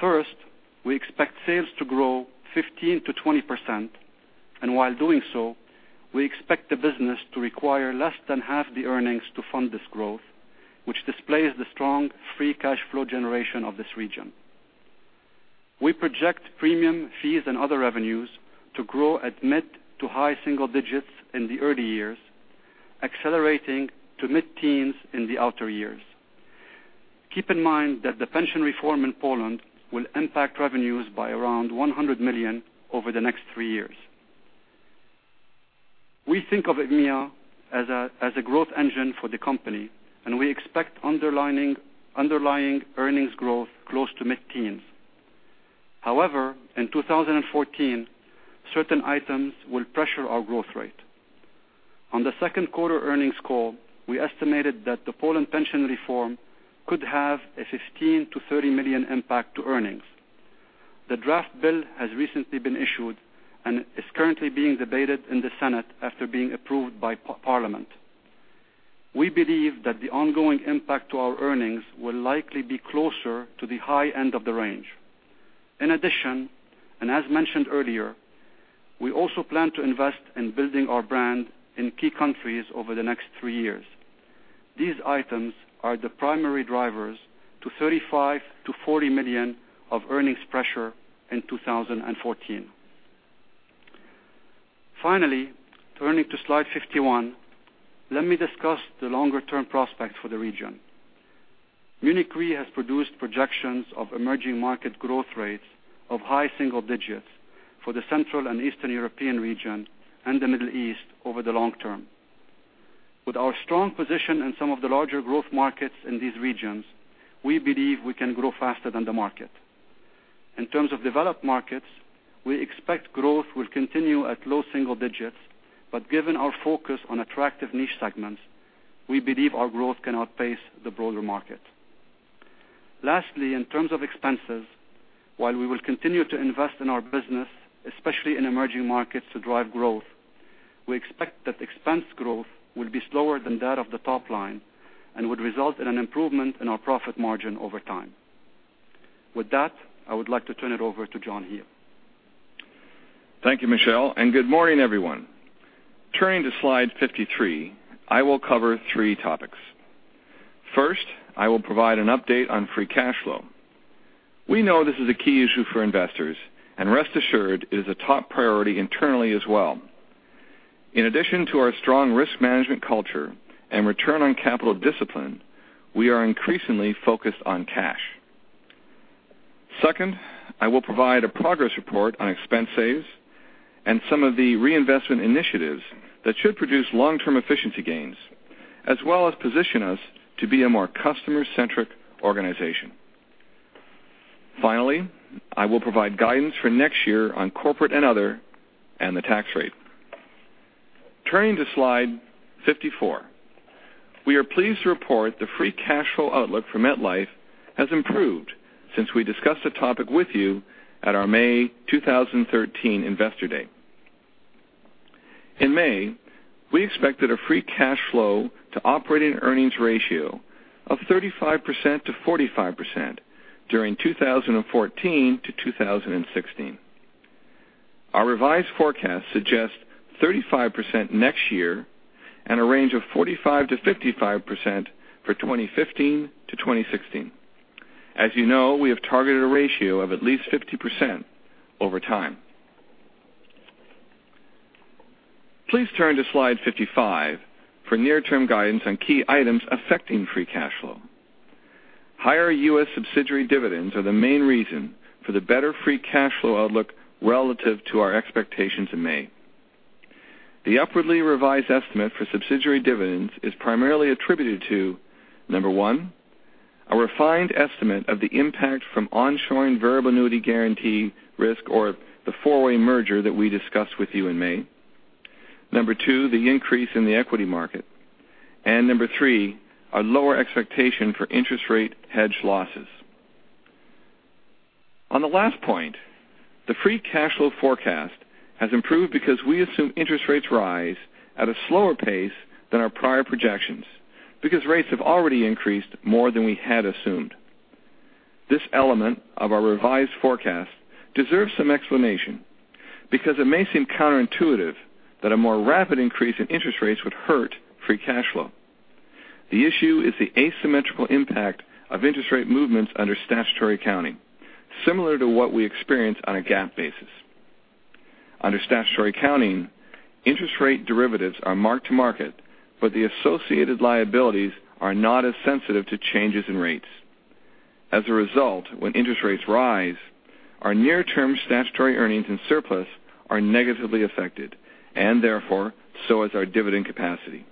First, we expect sales to grow 15%-20%, and while doing so, we expect the business to require less than half the earnings to fund this growth, which displays the strong free cash flow generation of this region. We project premium fees and other revenues to grow at mid to high single digits in the early years, accelerating to mid-teens in the outer years. Keep in mind that the pension reform in Poland will impact revenues by around $100 million over the next three years. We think of EMEA as a growth engine for the company, and we expect underlying earnings growth close to mid-teens. However, in 2014, certain items will pressure our growth rate. On the second quarter earnings call, we estimated that the Poland pension reform could have a $15 million-$30 million impact to earnings. The draft bill has recently been issued and is currently being debated in the Senate after being approved by Parliament. We believe that the ongoing impact to our earnings will likely be closer to the high end of the range. In addition, as mentioned earlier, we also plan to invest in building our brand in key countries over the next three years. These items are the primary drivers to $35 million-$40 million of earnings pressure in 2014. Finally, turning to slide 51, let me discuss the longer-term prospects for the region. Munich Re has produced projections of emerging market growth rates of high single digits for the Central and Eastern European region and the Middle East over the long term. With our strong position in some of the larger growth markets in these regions, we believe we can grow faster than the market. Given our focus on attractive niche segments, we believe our growth can outpace the broader market. Lastly, in terms of expenses, while we will continue to invest in our business, especially in emerging markets, to drive growth, we expect that expense growth will be slower than that of the top line and would result in an improvement in our profit margin over time. With that, I would like to turn it over to John Hele. Thank you, Michel, and good morning, everyone. Turning to slide 53, I will cover three topics. First, I will provide an update on free cash flow. We know this is a key issue for investors, and rest assured it is a top priority internally as well. In addition to our strong risk management culture and return on capital discipline, we are increasingly focused on cash. Second, I will provide a progress report on expense saves and some of the reinvestment initiatives that should produce long-term efficiency gains, as well as position us to be a more customer-centric organization. Finally, I will provide guidance for next year on corporate and other and the tax rate. Turning to slide 54. We are pleased to report the free cash flow outlook for MetLife has improved since we discussed the topic with you at our May 2013 investor day. In May, we expected a free cash flow to operating earnings ratio of 35%-45% during 2014-2016. Our revised forecast suggests 35% next year and a range of 45%-55% for 2015-2016. As you know, we have targeted a ratio of at least 50% over time. Please turn to slide 55 for near-term guidance on key items affecting free cash flow. Higher U.S. subsidiary dividends are the main reason for the better free cash flow outlook relative to our expectations in May. The upwardly revised estimate for subsidiary dividends is primarily attributed to, number 1, a refined estimate of the impact from onshoring variable annuity guarantee risk or the four-way merger that we discussed with you in May. Number 2, the increase in the equity market. Number 3, our lower expectation for interest rate hedge losses. On the last point, the free cash flow forecast has improved because we assume interest rates rise at a slower pace than our prior projections, because rates have already increased more than we had assumed. This element of our revised forecast deserves some explanation because it may seem counterintuitive that a more rapid increase in interest rates would hurt free cash flow. The issue is the asymmetrical impact of interest rate movements under statutory accounting, similar to what we experience on a GAAP basis. Under statutory accounting, interest rate derivatives are marked to market, but the associated liabilities are not as sensitive to changes in rates. As a result, when interest rates rise, our near-term statutory earnings and surplus are negatively affected, and therefore, so is our dividend capacity.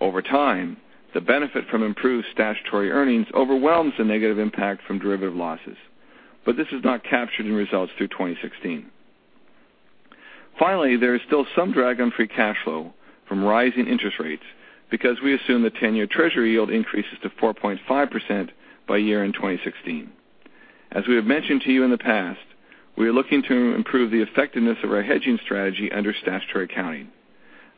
Over time, the benefit from improved statutory earnings overwhelms the negative impact from derivative losses, but this is not captured in results through 2016. Finally, there is still some drag on free cash flow from rising interest rates because we assume the 10-year Treasury yield increases to 4.5% by year-end 2016. As we have mentioned to you in the past, we are looking to improve the effectiveness of our hedging strategy under statutory accounting.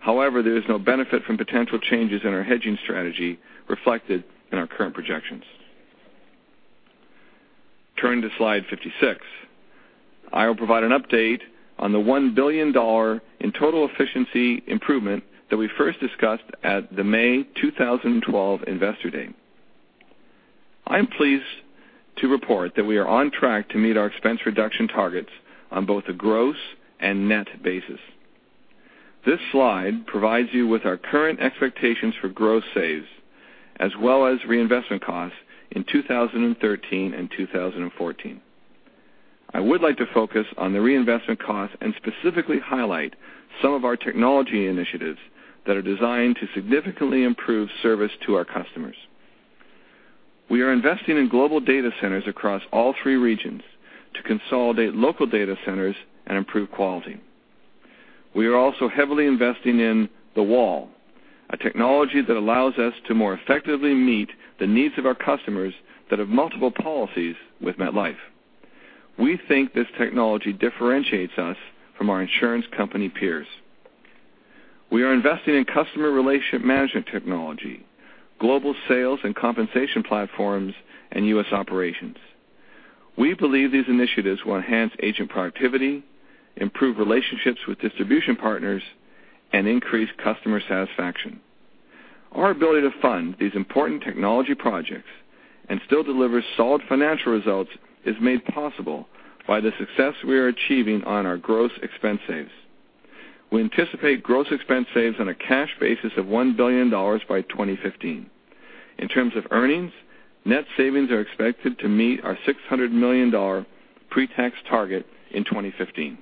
However, there is no benefit from potential changes in our hedging strategy reflected in our current projections. Turning to slide 56, I will provide an update on the $1 billion in total efficiency improvement that we first discussed at the May 2012 investor day. I'm pleased to report that we are on track to meet our expense reduction targets on both a gross and net basis. This slide provides you with our current expectations for gross saves as well as reinvestment costs in 2013 and 2014. I would like to focus on the reinvestment cost and specifically highlight some of our technology initiatives that are designed to significantly improve service to our customers. We are investing in global data centers across all three regions to consolidate local data centers and improve quality. We are also heavily investing in The Wall, a technology that allows us to more effectively meet the needs of our customers that have multiple policies with MetLife. We think this technology differentiates us from our insurance company peers. We are investing in customer relationship management technology, global sales and compensation platforms in U.S. operations. We believe these initiatives will enhance agent productivity, improve relationships with distribution partners, and increase customer satisfaction. Our ability to fund these important technology projects and still deliver solid financial results is made possible by the success we are achieving on our gross expense saves. We anticipate gross expense saves on a cash basis of $1 billion by 2015. In terms of earnings, net savings are expected to meet our $600 million pre-tax target in 2015.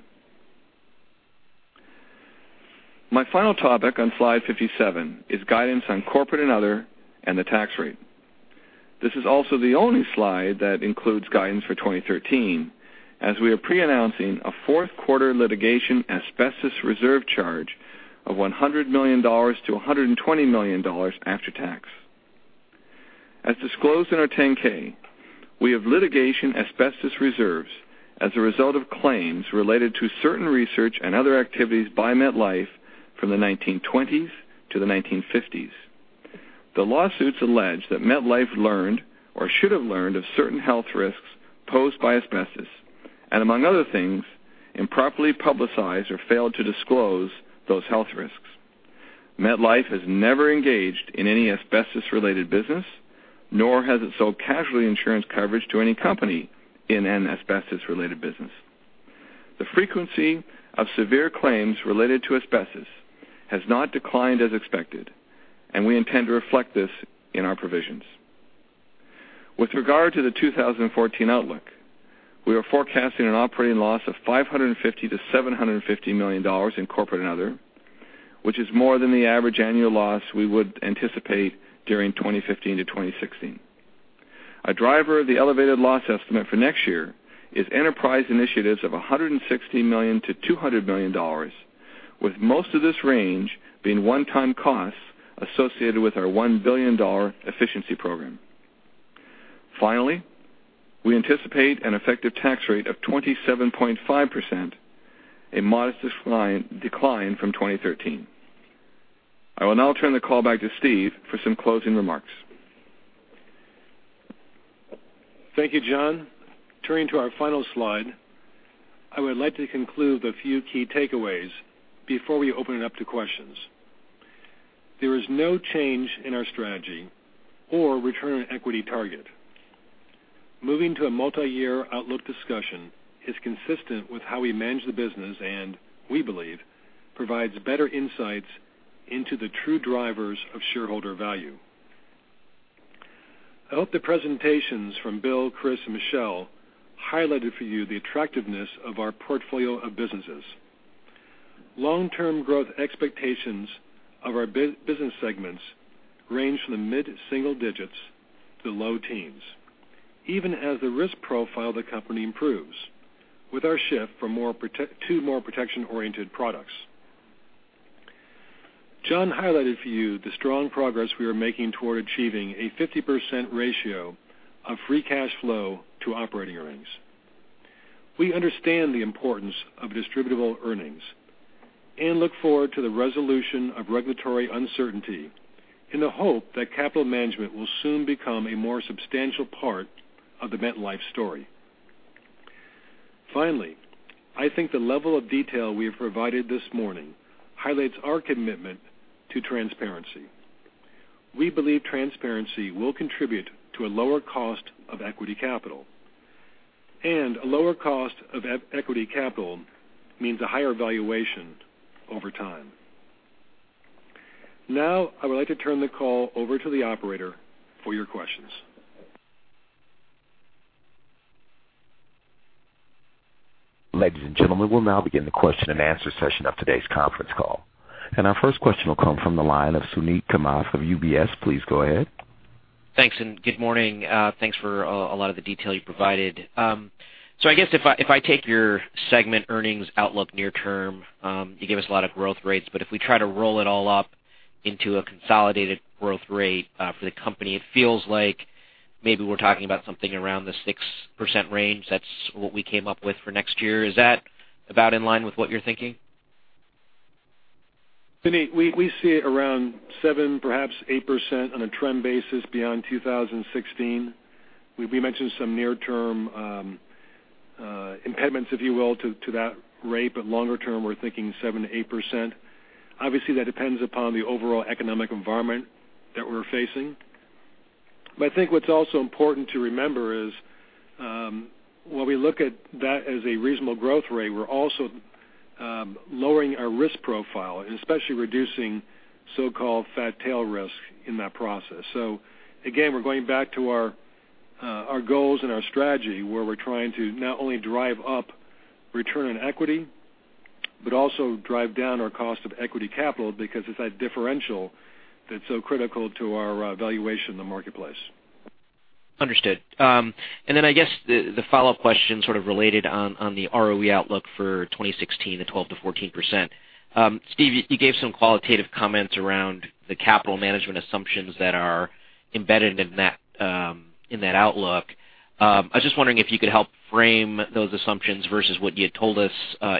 My final topic on slide 57 is guidance on corporate and other and the tax rate. This is also the only slide that includes guidance for 2013, as we are pre-announcing a fourth quarter litigation asbestos reserve charge of $100 million to $120 million after tax. As disclosed in our 10-K, we have litigation asbestos reserves as a result of claims related to certain research and other activities by MetLife from the 1920s to the 1950s. The lawsuits allege that MetLife learned or should have learned of certain health risks posed by asbestos, and among other things, improperly publicized or failed to disclose those health risks. MetLife has never engaged in any asbestos-related business, nor has it sold casualty insurance coverage to any company in an asbestos-related business. The frequency of severe claims related to asbestos has not declined as expected, and we intend to reflect this in our provisions. With regard to the 2014 outlook, we are forecasting an operating loss of $550 million to $750 million in corporate and other, which is more than the average annual loss we would anticipate during 2015 to 2016. A driver of the elevated loss estimate for next year is enterprise initiatives of $160 million to $200 million, with most of this range being one-time costs associated with our $1 billion efficiency program. Finally, we anticipate an effective tax rate of 27.5%, a modest decline from 2013. I will now turn the call back to Steve for some closing remarks. Thank you, John. Turning to our final slide, I would like to conclude with a few key takeaways before we open it up to questions. There is no change in our strategy or return on equity target. Moving to a multi-year outlook discussion is consistent with how we manage the business and, we believe, provides better insights into the true drivers of shareholder value. I hope the presentations from Bill, Chris, and Michel highlighted for you the attractiveness of our portfolio of businesses. Long-term growth expectations of our business segments range from the mid-single digits to low teens, even as the risk profile of the company improves with our shift to more protection-oriented products. John highlighted for you the strong progress we are making toward achieving a 50% ratio of free cash flow to operating earnings. We understand the importance of distributable earnings and look forward to the resolution of regulatory uncertainty in the hope that capital management will soon become a more substantial part of the MetLife story. I think the level of detail we have provided this morning highlights our commitment to transparency. We believe transparency will contribute to a lower cost of equity capital, a lower cost of equity capital means a higher valuation over time. I would like to turn the call over to the operator for your questions. Ladies and gentlemen, we'll now begin the question and answer session of today's conference call. Our first question will come from the line of Suneet Kamath of UBS. Please go ahead. Thanks, and good morning. Thanks for a lot of the detail you provided. I guess if I take your segment earnings outlook near term, you gave us a lot of growth rates. If we try to roll it all up into a consolidated growth rate for the company, it feels like maybe we're talking about something around the 6% range. That's what we came up with for next year. Is that about in line with what you're thinking? Suneet, we see it around 7%, perhaps 8% on a trend basis beyond 2016. We mentioned some near-term impediments, if you will, to that rate. Longer term, we're thinking 7%-8%. Obviously, that depends upon the overall economic environment that we're facing. I think what's also important to remember is, while we look at that as a reasonable growth rate, we're also lowering our risk profile, and especially reducing so-called fat tail risk in that process. Again, we're going back to our goals and our strategy, where we're trying to not only drive up return on equity, but also drive down our cost of equity capital because it's that differential that's so critical to our valuation in the marketplace. Understood. I guess the follow-up question sort of related on the ROE outlook for 2016 to 12%-14%. Steve, you gave some qualitative comments around the capital management assumptions that are embedded in that outlook. I was just wondering if you could help frame those assumptions versus what you had told us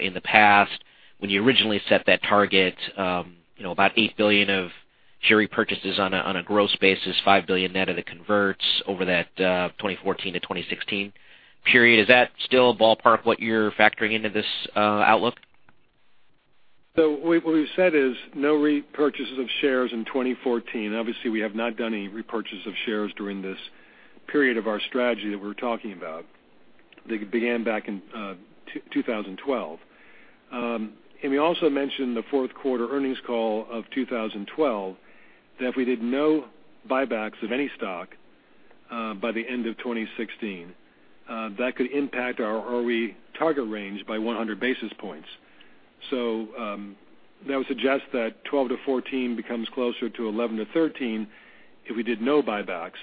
in the past when you originally set that target. About $8 billion of share repurchases on a gross basis, $5 billion net of the converts over that 2014-2016 period. Is that still ballpark what you're factoring into this outlook? What we've said is no repurchases of shares in 2014. Obviously, we have not done any repurchase of shares during this period of our strategy that we're talking about, that began back in 2012. We also mentioned the fourth quarter earnings call of 2012, that if we did no buybacks of any stock by the end of 2016, that could impact our ROE target range by 100 basis points. That would suggest that 12-14 becomes closer to 11-13 if we did no buybacks.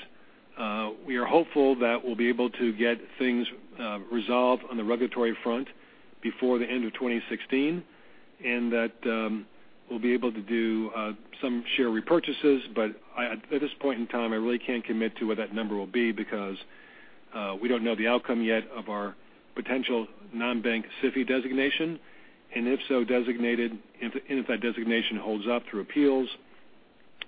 We are hopeful that we'll be able to get things resolved on the regulatory front before the end of 2016, and that we'll be able to do some share repurchases. At this point in time, I really can't commit to what that number will be because we don't know the outcome yet of our potential non-bank SIFI designation. If so designated, and if that designation holds up through appeals,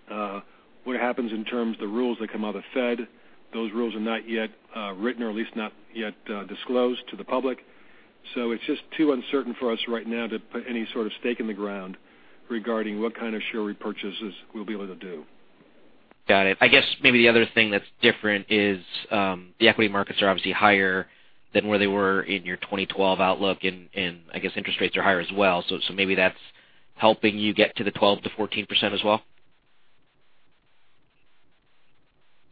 what happens in terms of the rules that come out of Fed? Those rules are not yet written or at least not yet disclosed to the public. It's just too uncertain for us right now to put any sort of stake in the ground regarding what kind of share repurchases we'll be able to do. Got it. I guess maybe the other thing that's different is the equity markets are obviously higher than where they were in your 2012 outlook, and I guess interest rates are higher as well. Maybe that's helping you get to the 12%-14% as well?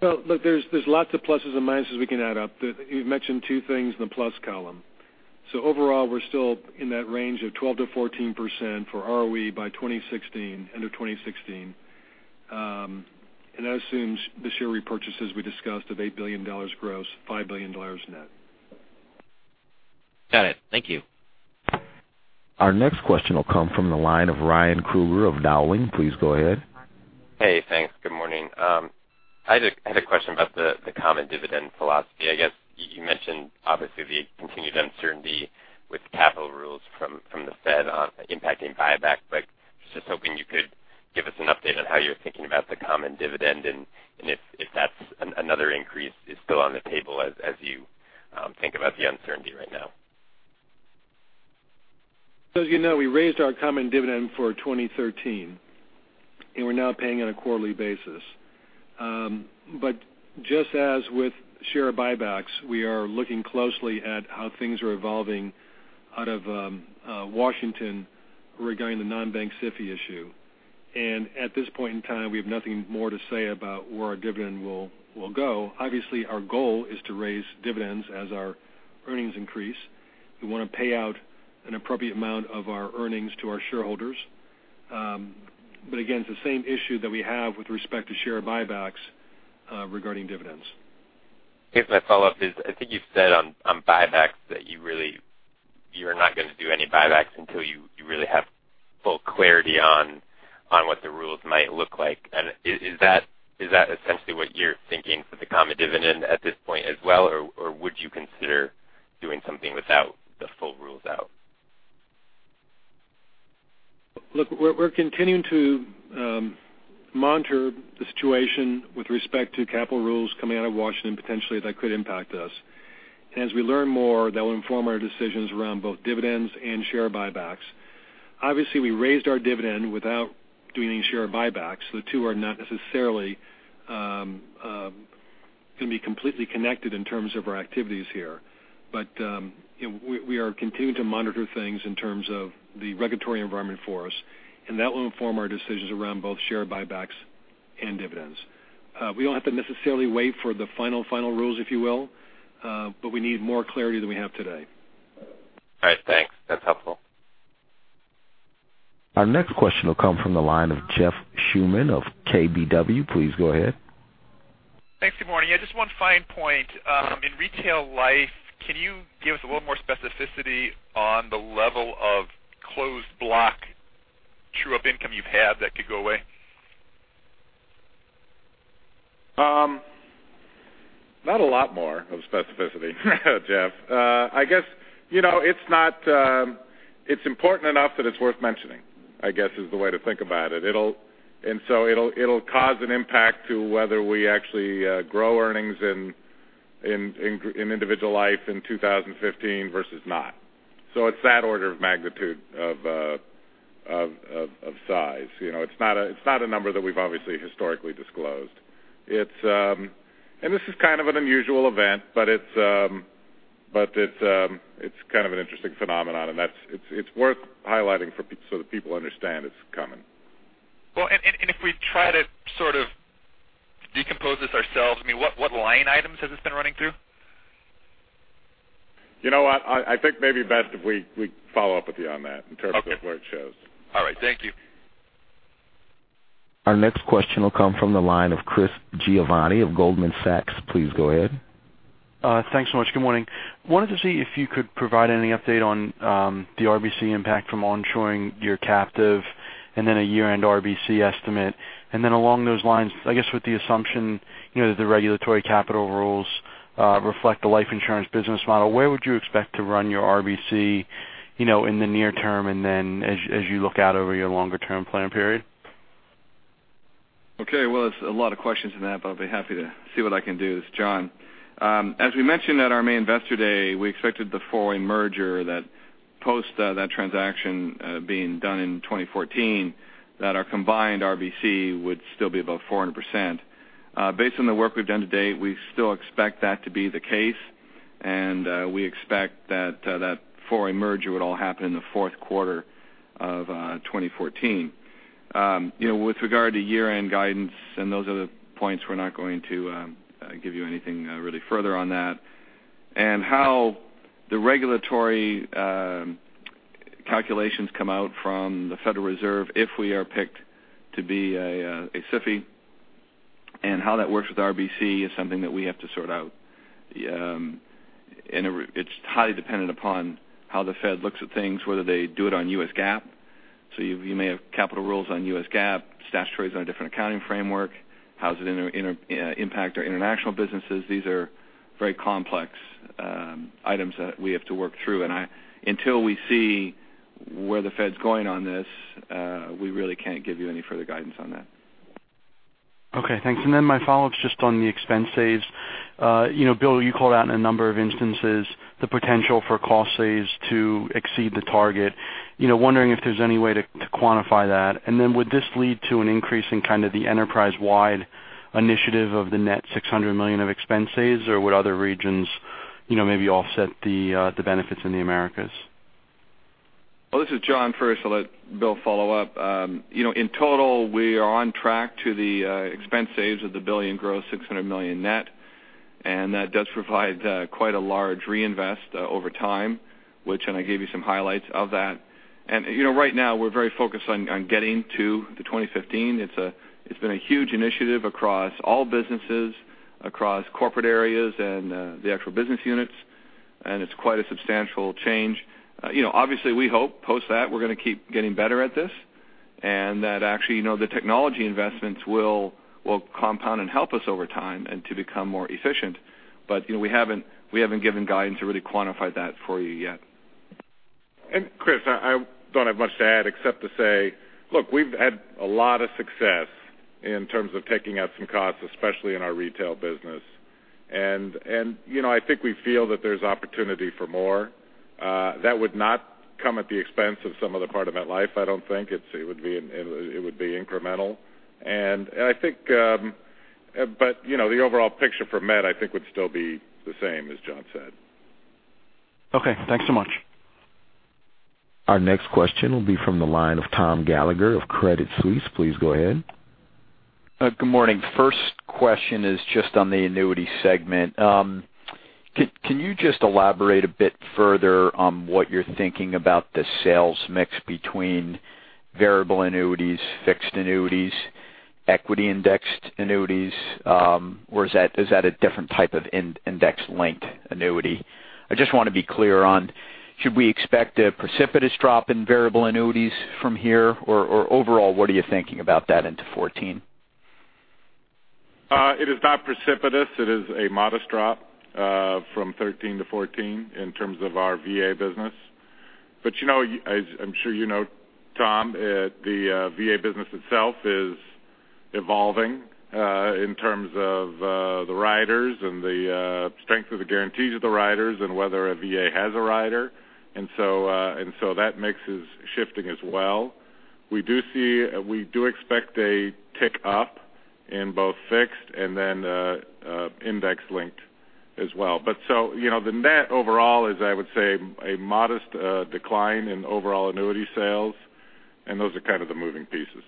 Well, look, there's lots of pluses and minuses we can add up. You've mentioned two things in the plus column. Overall, we're still in that range of 12%-14% for ROE by end of 2016. That assumes the share repurchases we discussed of $8 billion gross, $5 billion net. Got it. Thank you. Our next question will come from the line of Ryan Krueger of Dowling. Please go ahead. Hey, thanks. Good morning. I had a question about the common dividend philosophy. I guess you mentioned, obviously, the continued uncertainty with capital rules from the Fed on impacting buyback. Just hoping you could give us an update on how you're thinking about the common dividend and if that's another increase is still on the table as you think about the uncertainty right now. As you know, we raised our common dividend for 2013, and we're now paying on a quarterly basis. Just as with share buybacks, we are looking closely at how things are evolving out of Washington regarding the non-bank SIFI issue. At this point in time, we have nothing more to say about where our dividend will go. Obviously, our goal is to raise dividends as our earnings increase. We want to pay out an appropriate amount of our earnings to our shareholders. Again, it's the same issue that we have with respect to share buybacks regarding dividends. I guess my follow-up is, I think you've said on buybacks that you're not going to do any buybacks until you really have full clarity on what the rules might look like. Is that essentially what you're thinking for the common dividend at this point as well, or would you consider doing something without the full rules out? Look, we're continuing to monitor the situation with respect to capital rules coming out of Washington, potentially, that could impact us. As we learn more, that will inform our decisions around both dividends and share buybacks. Obviously, we raised our dividend without doing any share buybacks. The two are not necessarily going to be completely connected in terms of our activities here. We are continuing to monitor things in terms of the regulatory environment for us, and that will inform our decisions around both share buybacks and dividends. We don't have to necessarily wait for the final rules, if you will, but we need more clarity than we have today. All right, thanks. That's helpful. Our next question will come from the line of Jeff Schumann of KBW. Please go ahead. Thanks. Good morning. Yeah, just one fine point. In retail life, can you give us a little more specificity on the level of closed block true-up income you've had that could go away? Not a lot more of specificity, Jeff. It's important enough that it's worth mentioning, I guess, is the way to think about it. It'll cause an impact to whether we actually grow earnings in individual life in 2015 versus not. It's that order of magnitude of size. It's not a number that we've obviously historically disclosed. This is kind of an unusual event, but it's kind of an interesting phenomenon, and it's worth highlighting so that people understand it's coming. Well, if we try to sort of decompose this ourselves, what line items has this been running through? You know what? I think maybe best if we follow up with you on that in terms- Okay of where it shows. All right. Thank you. Our next question will come from the line of Chris Giovanni of Goldman Sachs. Please go ahead. Thanks so much. Good morning. Wanted to see if you could provide any update on the RBC impact from onshoring your captive, a year-end RBC estimate. Along those lines, I guess with the assumption, the regulatory capital rules reflect the life insurance business model, where would you expect to run your RBC in the near term and then as you look out over your longer term plan period? Okay. Well, it's a lot of questions in that, but I'll be happy to see what I can do. This is John. As we mentioned at our May Investor Day, we expected the foreign merger that post that transaction being done in 2014, that our combined RBC would still be above 400%. Based on the work we've done to date, we still expect that to be the case, and we expect that foreign merger would all happen in the fourth quarter of 2014. With regard to year-end guidance and those other points, we're not going to give you anything really further on that. How the regulatory calculations come out from the Federal Reserve, if we are picked to be a SIFI, and how that works with RBC is something that we have to sort out. It's highly dependent upon how the Fed looks at things, whether they do it on US GAAP. You may have capital rules on US GAAP, statutory is on a different accounting framework. How does it impact our international businesses? These are very complex items that we have to work through, and until we see where the Fed's going on this, we really can't give you any further guidance on that. Okay, thanks. My follow-up's just on the expense saves. Bill, you called out in a number of instances the potential for cost saves to exceed the target. Wondering if there's any way to quantify that. Would this lead to an increase in kind of the enterprise-wide initiative of the net $600 million of expense saves, or would other regions maybe offset the benefits in the Americas? Well, this is John first. I'll let Bill follow up. In total, we are on track to the expense saves of the $1 billion gross, $600 million net. That does provide quite a large reinvest over time, which, I gave you some highlights of that. Right now, we're very focused on getting to 2015. It's been a huge initiative across all businesses, across corporate areas, and the actual business units. It's quite a substantial change. Obviously, we hope post that, we're going to keep getting better at this, and that actually the technology investments will compound and help us over time and to become more efficient. We haven't given guidance or really quantified that for you yet. Chris, I don't have much to add except to say, look, we've had a lot of success in terms of taking out some costs, especially in our retail business. I think we feel that there's opportunity for more. That would not come at the expense of some other part of MetLife, I don't think. It would be incremental. The overall picture for Met, I think, would still be the same as John said. Okay. Thanks so much. Our next question will be from the line of Tom Gallagher of Credit Suisse. Please go ahead. Good morning. First question is just on the annuity segment. Can you just elaborate a bit further on what you're thinking about the sales mix between variable annuities, fixed annuities, equity-indexed annuities? Is that a different type of index-linked annuity? I just want to be clear on, should we expect a precipitous drop in variable annuities from here, or overall, what are you thinking about that into 2014? It is not precipitous. It is a modest drop from 2013 to 2014 in terms of our VA business. As I'm sure you know, Tom, the VA business itself is evolving in terms of the riders and the strength of the guarantees of the riders and whether a VA has a rider. That mix is shifting as well. We do expect a tick up in both fixed and then index-linked as well. The net overall is, I would say, a modest decline in overall annuity sales, and those are kind of the moving pieces.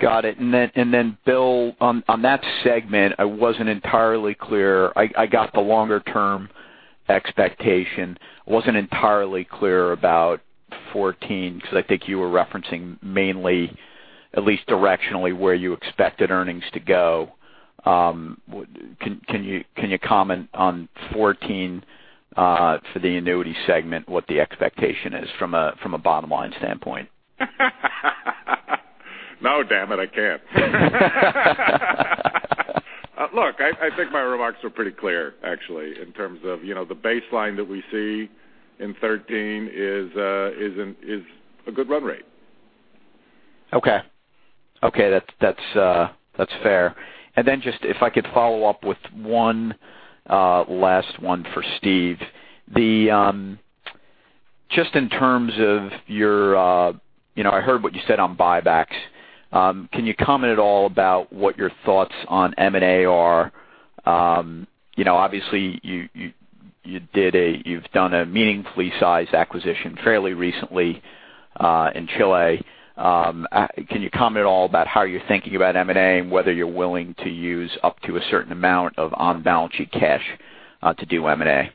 Got it. Bill, on that segment, I wasn't entirely clear. I got the longer-term expectation. Wasn't entirely clear about 2014 because I think you were referencing mainly, at least directionally, where you expected earnings to go. Can you comment on 2014 for the annuity segment, what the expectation is from a bottom-line standpoint? No, damn it, I can't. Look, I think my remarks were pretty clear actually, in terms of the baseline that we see in 2013 is a good run rate. Okay. That's fair. Then just if I could follow up with one last one for Steve. I heard what you said on buybacks. Can you comment at all about what your thoughts on M&A are? Obviously, you've done a meaningfully sized acquisition fairly recently in Chile. Can you comment at all about how you're thinking about M&A and whether you're willing to use up to a certain amount of on-balance-sheet cash to do M&A?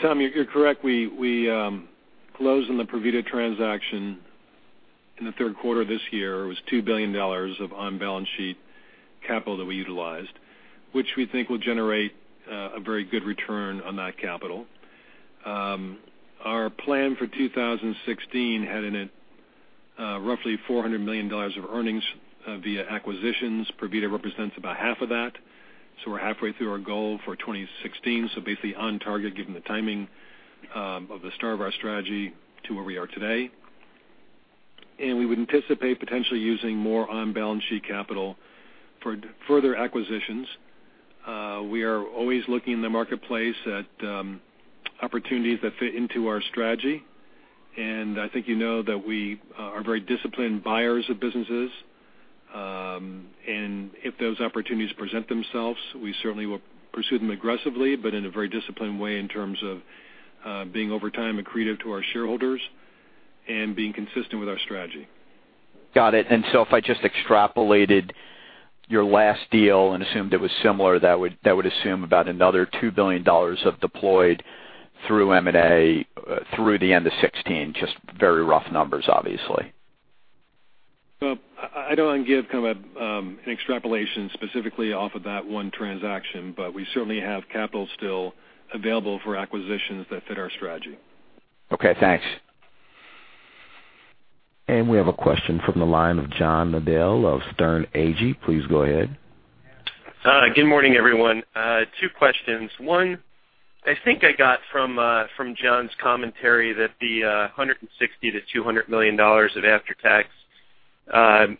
Tom, you're correct. We closed on the Provida transaction in the third quarter of this year. It was $2 billion of on-balance-sheet capital that we utilized, which we think will generate a very good return on that capital. Our plan for 2016 had in it roughly $400 million of earnings via acquisitions. Provida represents about half of that. We're halfway through our goal for 2016. Basically on target, given the timing of the start of our strategy to where we are today. We would anticipate potentially using more on-balance-sheet capital for further acquisitions. We are always looking in the marketplace at opportunities that fit into our strategy, and I think you know that we are very disciplined buyers of businesses. If those opportunities present themselves, we certainly will pursue them aggressively, but in a very disciplined way in terms of being over time accretive to our shareholders and being consistent with our strategy. Got it. If I just extrapolated your last deal and assumed it was similar, that would assume about another $2 billion of deployed through M&A through the end of 2016. Just very rough numbers, obviously. Well, I don't want to give kind of an extrapolation specifically off of that one transaction, but we certainly have capital still available for acquisitions that fit our strategy. Okay, thanks. We have a question from the line of John Nadel of Sterne Agee. Please go ahead. Good morning, everyone. Two questions. One, I think I got from John's commentary that the $160 million-$200 million of after-tax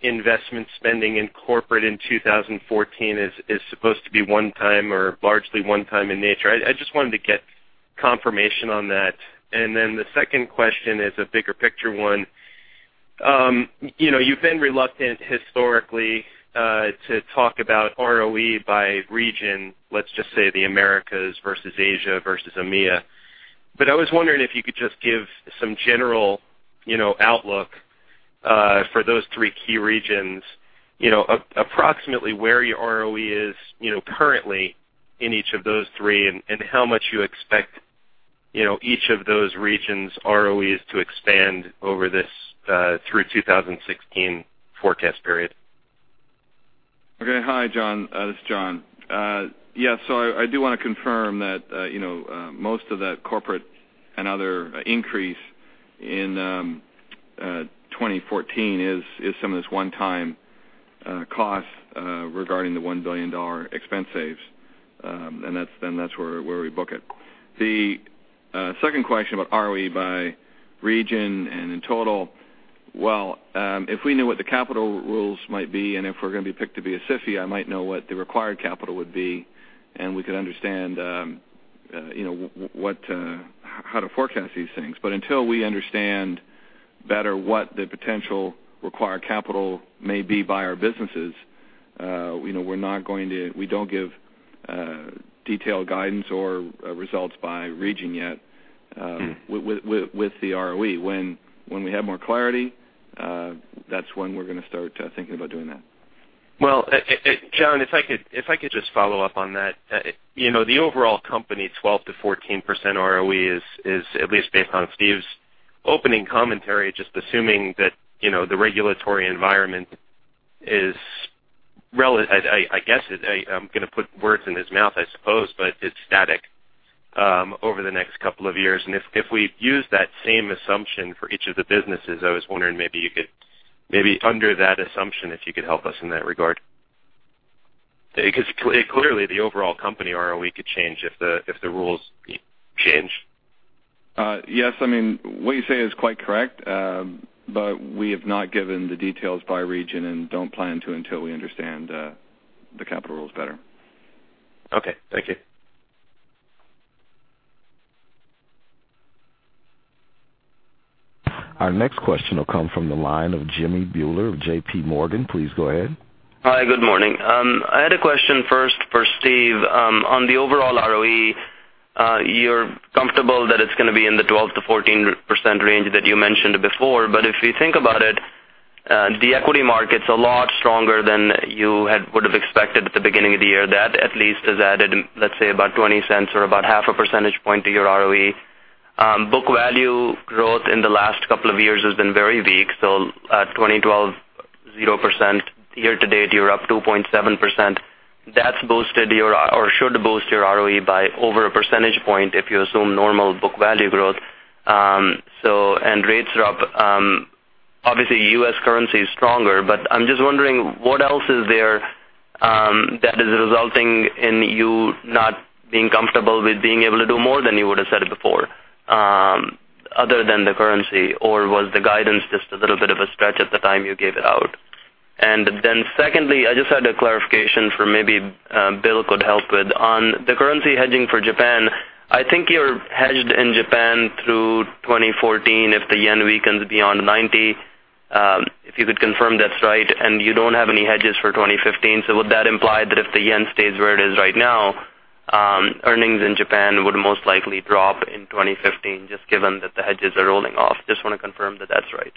investment spending in corporate in 2014 is supposed to be one time or largely one time in nature. I just wanted to get confirmation on that. The second question is a bigger picture one. You've been reluctant historically to talk about ROE by region, let's just say the Americas versus Asia versus EMEA. I was wondering if you could just give some general outlook for those three key regions, approximately where your ROE is currently in each of those three and how much you expect each of those regions' ROEs to expand over this through 2016 forecast period. Okay. Hi, John. This is John. I do want to confirm that most of that corporate and other increase in 2014 is some of this one-time cost regarding the $1 billion expense saves. That's where we book it. The second question about ROE by region and in total, well, if we knew what the capital rules might be, if we're going to be picked to be a SIFI, I might know what the required capital would be, and we could understand how to forecast these things. Until we understand better what the potential required capital may be by our businesses, we don't give detailed guidance or results by region yet with the ROE. When we have more clarity, that's when we're going to start thinking about doing that. John, if I could just follow up on that. The overall company 12%-14% ROE is at least based on Steve's opening commentary, just assuming that the regulatory environment is, I guess I'm going to put words in his mouth, I suppose, but it's static over the next couple of years. If we use that same assumption for each of the businesses, I was wondering maybe under that assumption, if you could help us in that regard. Because clearly the overall company ROE could change if the rules change. Yes. What you say is quite correct. We have not given the details by region and don't plan to until we understand the capital rules better. Okay. Thank you. Our next question will come from the line of Jimmy Bhullar of J.P. Morgan. Please go ahead. Hi, good morning. I had a question first for Steve. On the overall ROE, you're comfortable that it's going to be in the 12%-14% range that you mentioned before. If you think about it, the equity market's a lot stronger than you would have expected at the beginning of the year. That at least has added, let's say, about $0.20 or about half a percentage point to your ROE. Book value growth in the last couple of years has been very weak. 2012, 0%. Year to date, you're up 2.7%. That should boost your ROE by over a percentage point if you assume normal book value growth. Rates are up. Obviously, U.S. currency is stronger, but I'm just wondering what else is there that is resulting in you not being comfortable with being able to do more than you would've said before other than the currency? Was the guidance just a little bit of a stretch at the time you gave it out? Secondly, I just had a clarification for maybe Bill could help with on the currency hedging for Japan. I think you're hedged in Japan through 2014 if the JPY weakens beyond 90. If you could confirm that's right, and you don't have any hedges for 2015, so would that imply that if the JPY stays where it is right now, earnings in Japan would most likely drop in 2015 just given that the hedges are rolling off? Just want to confirm that that's right.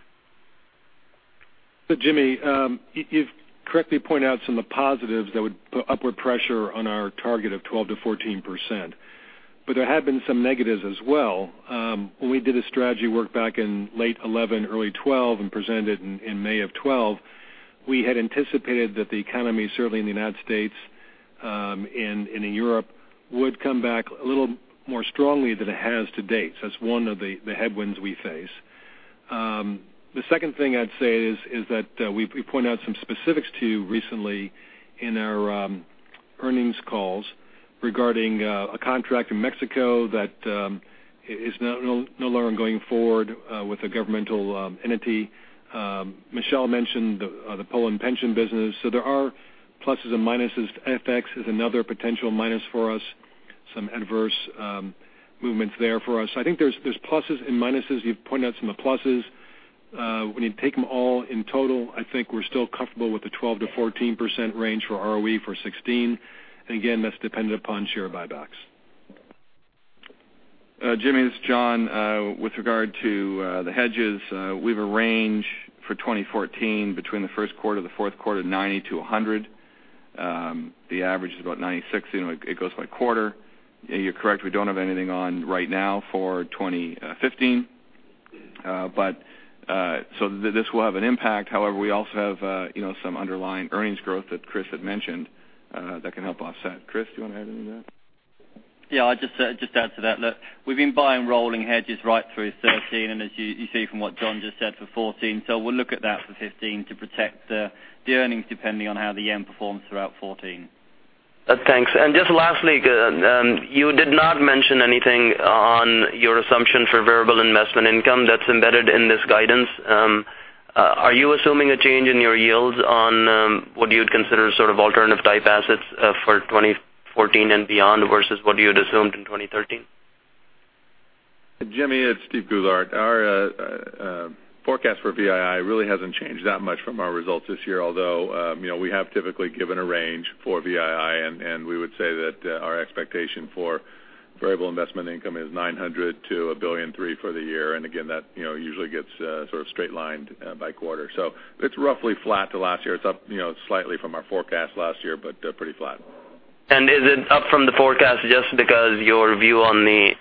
Jimmy Bhullar, you've correctly pointed out some of the positives that would put upward pressure on our target of 12%-14%, but there have been some negatives as well. When we did a strategy work back in late 2011, early 2012, and presented in May of 2012, we had anticipated that the economy, certainly in the U.S. and in Europe, would come back a little more strongly than it has to date. That's one of the headwinds we face. The second thing I'd say is that we pointed out some specifics to you recently in our earnings calls regarding a contract in Mexico that is no longer going forward with a governmental entity. Michel Khalaf mentioned the Poland pension business. There are pluses and minuses. FX is another potential minus for us, some adverse movements there for us. I think there's pluses and minuses. You've pointed out some of the pluses. When you take them all in total, I think we're still comfortable with the 12%-14% range for ROE for 2016. Again, that's dependent upon share buybacks. Jimmy Bhullar, this is John Hele. With regard to the hedges, we have a range for 2014 between the first quarter, the fourth quarter, 90-100. The average is about 96. It goes by quarter. You're correct, we don't have anything on right now for 2015. This will have an impact. However, we also have some underlying earnings growth that Christopher Townsend had mentioned that can help offset. Christopher Townsend, do you want to add anything to that? I'll just add to that. Look, we've been buying rolling hedges right through 2013, and as you see from what John Hele just said, for 2014. We'll look at that for 2015 to protect the earnings depending on how the JPY performs throughout 2014. Thanks. Just lastly, you did not mention anything on your assumption for variable investment income that's embedded in this guidance. Are you assuming a change in your yields on what you'd consider sort of alternative type assets for 2014 and beyond versus what you had assumed in 2013? Jimmy, it's Steven Goulart. Our forecast for VII really hasn't changed that much from our results this year, although we have typically given a range for VII, we would say that our expectation for variable investment income is $900 million-$1.3 billion for the year. Again, that usually gets sort of straight lined by quarter. It's roughly flat to last year. It's up slightly from our forecast last year, but pretty flat. Is it up from the forecast just because your view on the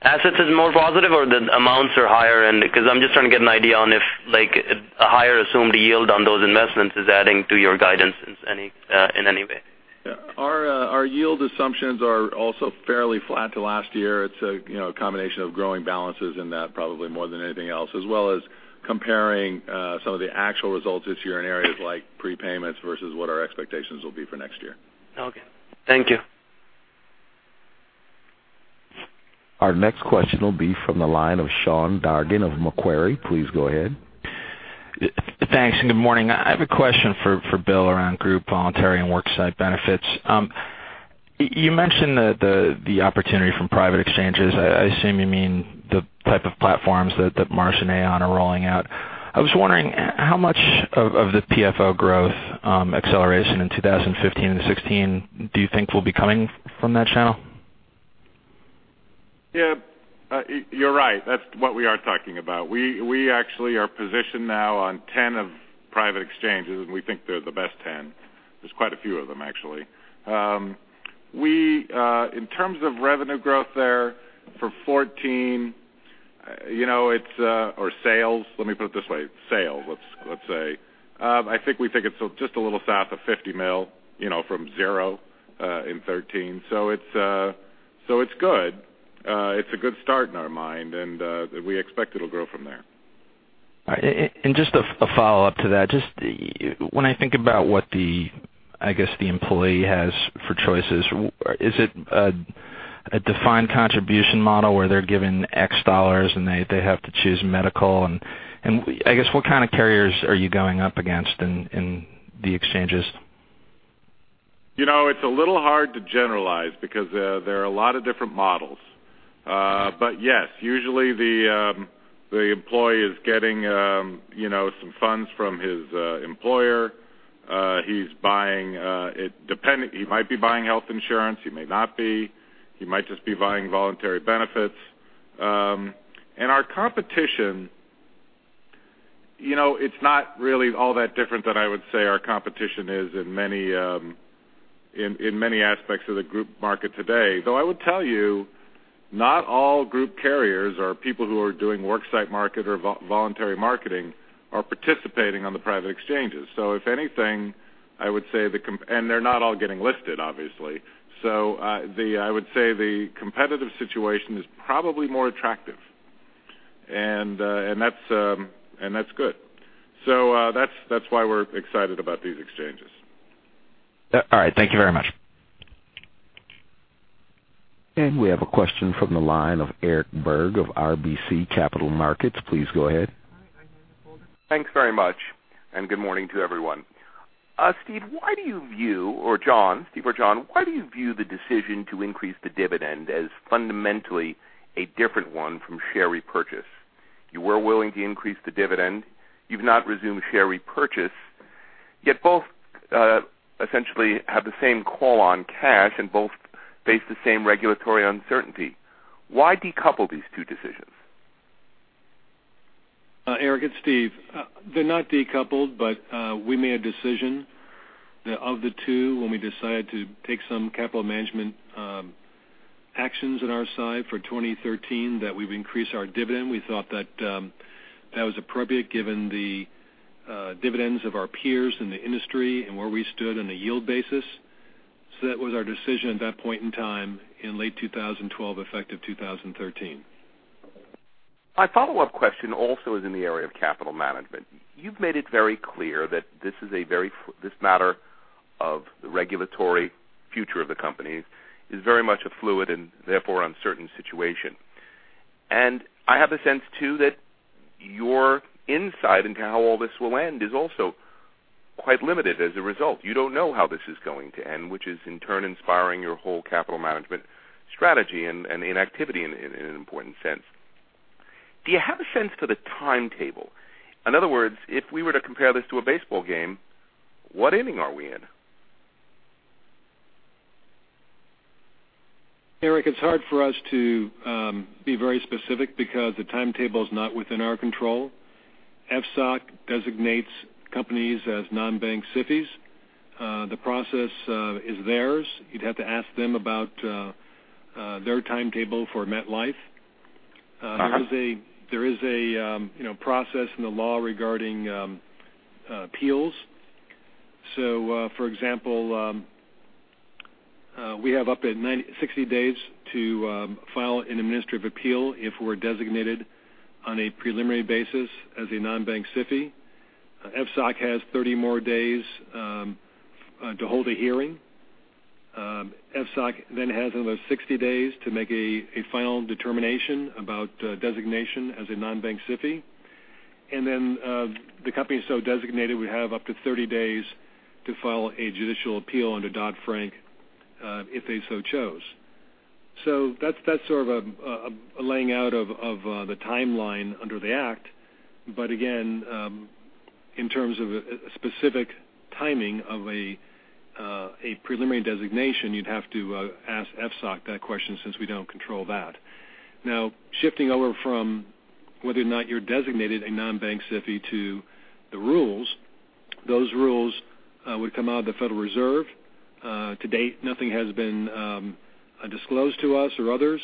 assets is more positive or the amounts are higher? I'm just trying to get an idea on if a higher assumed yield on those investments is adding to your guidance in any way. Our yield assumptions are also fairly flat to last year. It's a combination of growing balances in that probably more than anything else, as well as comparing some of the actual results this year in areas like prepayments versus what our expectations will be for next year. Okay. Thank you. Our next question will be from the line of Sean Dargan of Macquarie. Please go ahead. Thanks. Good morning. I have a question for Bill around Group Voluntary and Worksite benefits. You mentioned the opportunity from private exchanges. I assume you mean the type of platforms that Marsh & McLennan are rolling out. I was wondering how much of the PFO growth acceleration in 2015 and 2016 do you think will be coming from that channel? You're right. That's what we are talking about. We actually are positioned now on 10 private exchanges. We think they're the best 10. There's quite a few of them, actually. In terms of revenue growth there for 2014, or sales, let me put it this way, sales, let's say. I think we think it's just a little south of $50 million from zero in 2013. It's good. It's a good start in our mind. We expect it'll grow from there. All right. Just a follow-up to that, just when I think about what, I guess, the employee has for choices, is it a defined contribution model where they're given X dollars and they have to choose medical? I guess, what kind of carriers are you going up against in the exchanges? It's a little hard to generalize because there are a lot of different models Yes, usually the employee is getting some funds from his employer. He might be buying health insurance, he may not be. He might just be buying voluntary benefits. Our competition, it's not really all that different than I would say our competition is in many aspects of the group market today. Though I would tell you, not all group carriers or people who are doing worksite market or voluntary marketing are participating on the private exchanges. If anything, I would say they're not all getting listed, obviously. I would say the competitive situation is probably more attractive. That's good. That's why we're excited about these exchanges. All right. Thank you very much. We have a question from the line of Eric Berg of RBC Capital Markets. Please go ahead. Thanks very much, and good morning to everyone. Steve or John, why do you view the decision to increase the dividend as fundamentally a different one from share repurchase? You were willing to increase the dividend. You've not resumed share repurchase, yet both essentially have the same call on cash and both face the same regulatory uncertainty. Why decouple these two decisions? Eric, it's Steve. They're not decoupled, but we made a decision that of the two, when we decided to take some capital management actions on our side for 2013, that we would increase our dividend. We thought that was appropriate given the dividends of our peers in the industry and where we stood on a yield basis. That was our decision at that point in time in late 2012, effective 2013. My follow-up question also is in the area of capital management. You've made it very clear that this matter of the regulatory future of the company is very much a fluid and therefore uncertain situation. I have a sense, too, that your insight into how all this will end is also quite limited as a result. You don't know how this is going to end, which is in turn inspiring your whole capital management strategy and inactivity in an important sense. Do you have a sense for the timetable? In other words, if we were to compare this to a baseball game, what inning are we in? Eric, it's hard for us to be very specific because the timetable is not within our control. FSOC designates companies as non-bank SIFIs. The process is theirs. You'd have to ask them about their timetable for MetLife. Okay. There is a process in the law regarding appeals. For example, we have up to 60 days to file an administrative appeal if we're designated on a preliminary basis as a non-bank SIFI. FSOC has 30 more days to hold a hearing. FSOC has another 60 days to make a final determination about designation as a non-bank SIFI. The company so designated would have up to 30 days to file a judicial appeal under Dodd-Frank, if they so chose. That's sort of a laying out of the timeline under the act. Again, in terms of a specific timing of a preliminary designation, you'd have to ask FSOC that question since we don't control that. Now, shifting over from whether or not you're designated a non-bank SIFI to the rules, those rules would come out of the Federal Reserve. To date, nothing has been disclosed to us or others,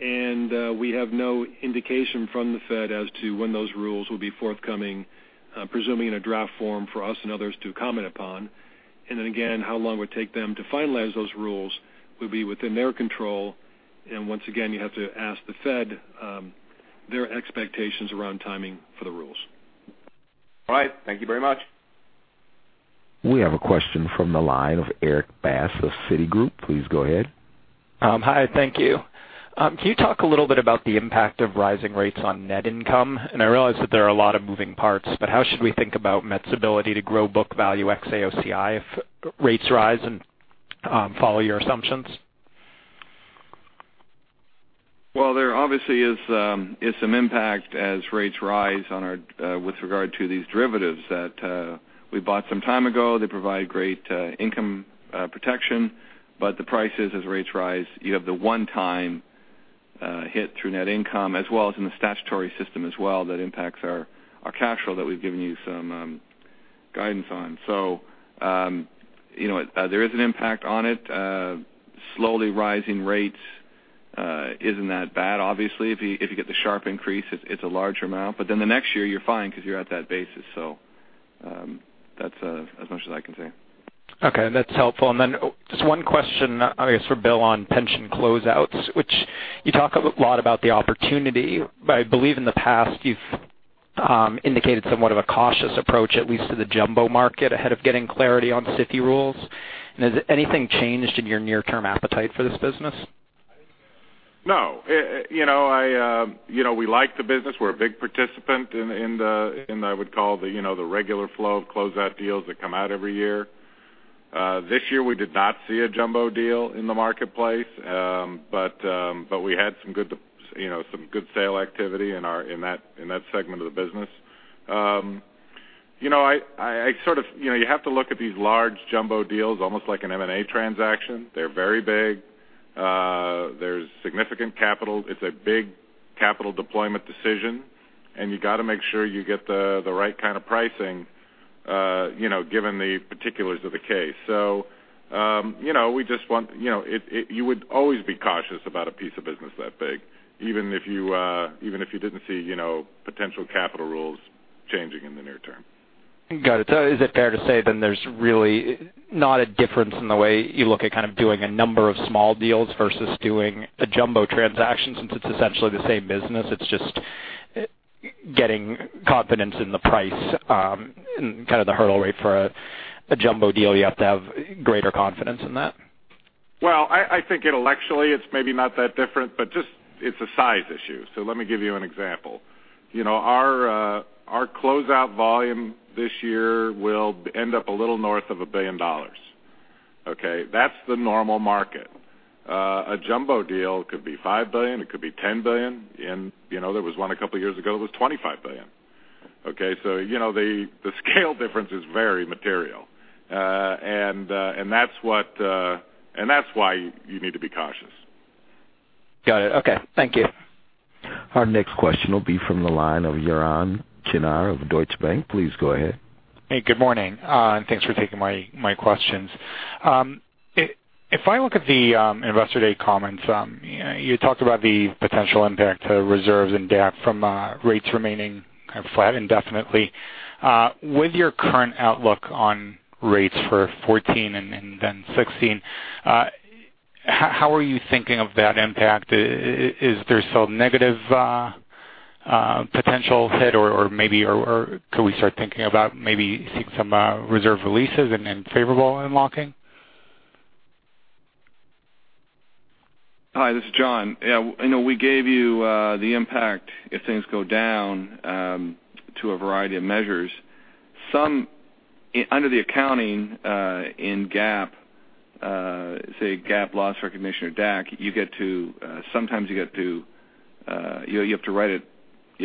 and we have no indication from the Fed as to when those rules will be forthcoming, presuming in a draft form for us and others to comment upon. Again, how long it would take them to finalize those rules will be within their control. Once again, you have to ask the Fed their expectations around timing for the rules. All right. Thank you very much. We have a question from the line of Erik Bass of Citigroup. Please go ahead. Hi, thank you. Can you talk a little bit about the impact of rising rates on net income? I realize that there are a lot of moving parts, but how should we think about Met's ability to grow book value ex AOCI if rates rise and follow your assumptions? Well, there obviously is some impact as rates rise with regard to these derivatives that we bought some time ago. They provide great income protection, but the prices as rates rise, you have the one-time hit through net income as well as in the statutory system as well that impacts our cash flow that we've given you some guidance on. There is an impact on it. Slowly rising rates isn't that bad, obviously. If you get the sharp increase, it's a large amount, but the next year you're fine because you're at that basis. That's as much as I can say. Okay, that's helpful. Just one question, I guess, for Bill on pension closeouts, which you talk a lot about the opportunity, but I believe in the past you've indicated somewhat of a cautious approach, at least to the jumbo market, ahead of getting clarity on SIFI rules. Has anything changed in your near-term appetite for this business? No. We like the business. We're a big participant in, I would call the regular flow of closeout deals that come out every year. This year we did not see a jumbo deal in the marketplace, but we had some good sale activity in that segment of the business. You have to look at these large jumbo deals almost like an M&A transaction. They're very big. There's significant capital. It's a big capital deployment decision, and you got to make sure you get the right kind of pricing, given the particulars of the case. You would always be cautious about a piece of business that big, even if you didn't see potential capital rules changing in the near term. Got it. Is it fair to say then there's really not a difference in the way you look at kind of doing a number of small deals versus doing a jumbo transaction since it's essentially the same business? It's just getting confidence in the price, and kind of the hurdle rate for a jumbo deal. You have to have greater confidence in that? Well, I think intellectually it's maybe not that different, but just it's a size issue. Let me give you an example. Our closeout volume this year will end up a little north of $1 billion. Okay? That's the normal market. A jumbo deal could be $5 billion, it could be $10 billion. There was one a couple years ago that was $25 billion. Okay? That's why you need to be cautious. Got it. Okay. Thank you. Our next question will be from the line of Yaron Kinar of Deutsche Bank. Please go ahead. Hey, good morning. Thanks for taking my questions. If I look at the investor day comments, you talked about the potential impact to reserves and DAC from rates remaining kind of flat indefinitely. With your current outlook on rates for 2014 and then 2016, how are you thinking of that impact? Is there still negative potential hit or can we start thinking about maybe seeing some reserve releases and then favorable unlocking? Hi, this is John. We gave you the impact if things go down to a variety of measures. Under the accounting in GAAP, say GAAP loss recognition or DAC, sometimes you have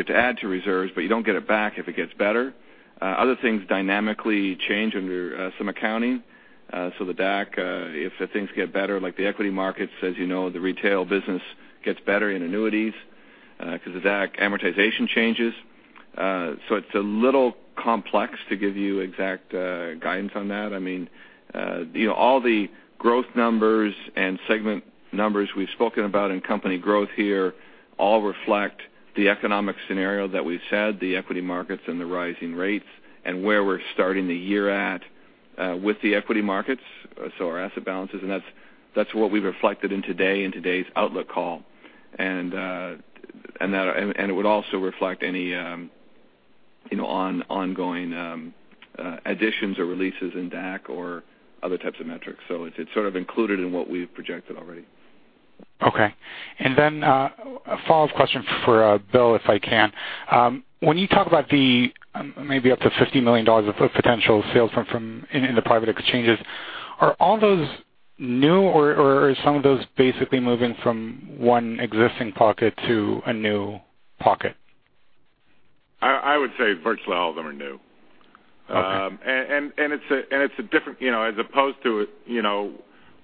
to add to reserves, but you don't get it back if it gets better. Other things dynamically change under some accounting. The DAC, if things get better, like the equity markets as you know the retail business gets better in annuities, because the DAC amortization changes. It's a little complex to give you exact guidance on that. All the growth numbers and segment numbers we've spoken about in company growth here all reflect the economic scenario that we've said, the equity markets and the rising rates and where we're starting the year at with the equity markets. Our asset balances, and that's what we've reflected in today and today's outlook call. It would also reflect any ongoing additions or releases in DAC or other types of metrics. It's sort of included in what we've projected already. Okay. Then a follow-up question for Bill, if I can. When you talk about maybe up to $50 million of potential sales in the private exchanges, are all those new or is some of those basically moving from one existing pocket to a new pocket? I would say virtually all of them are new. Okay. As opposed to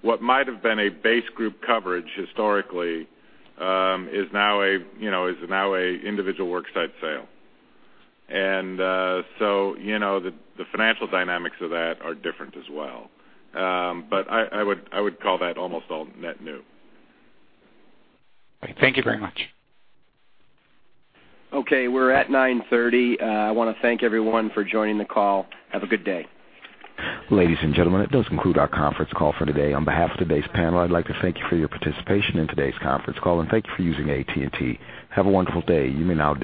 what might've been a base group coverage historically, is now an individual worksite sale. The financial dynamics of that are different as well. I would call that almost all net new. Okay. Thank you very much. Okay. We're at 9:30. I want to thank everyone for joining the call. Have a good day. Ladies and gentlemen, that does conclude our conference call for today. On behalf of today's panel, I'd like to thank you for your participation in today's conference call and thank you for using AT&T. Have a wonderful day. You may now disconnect.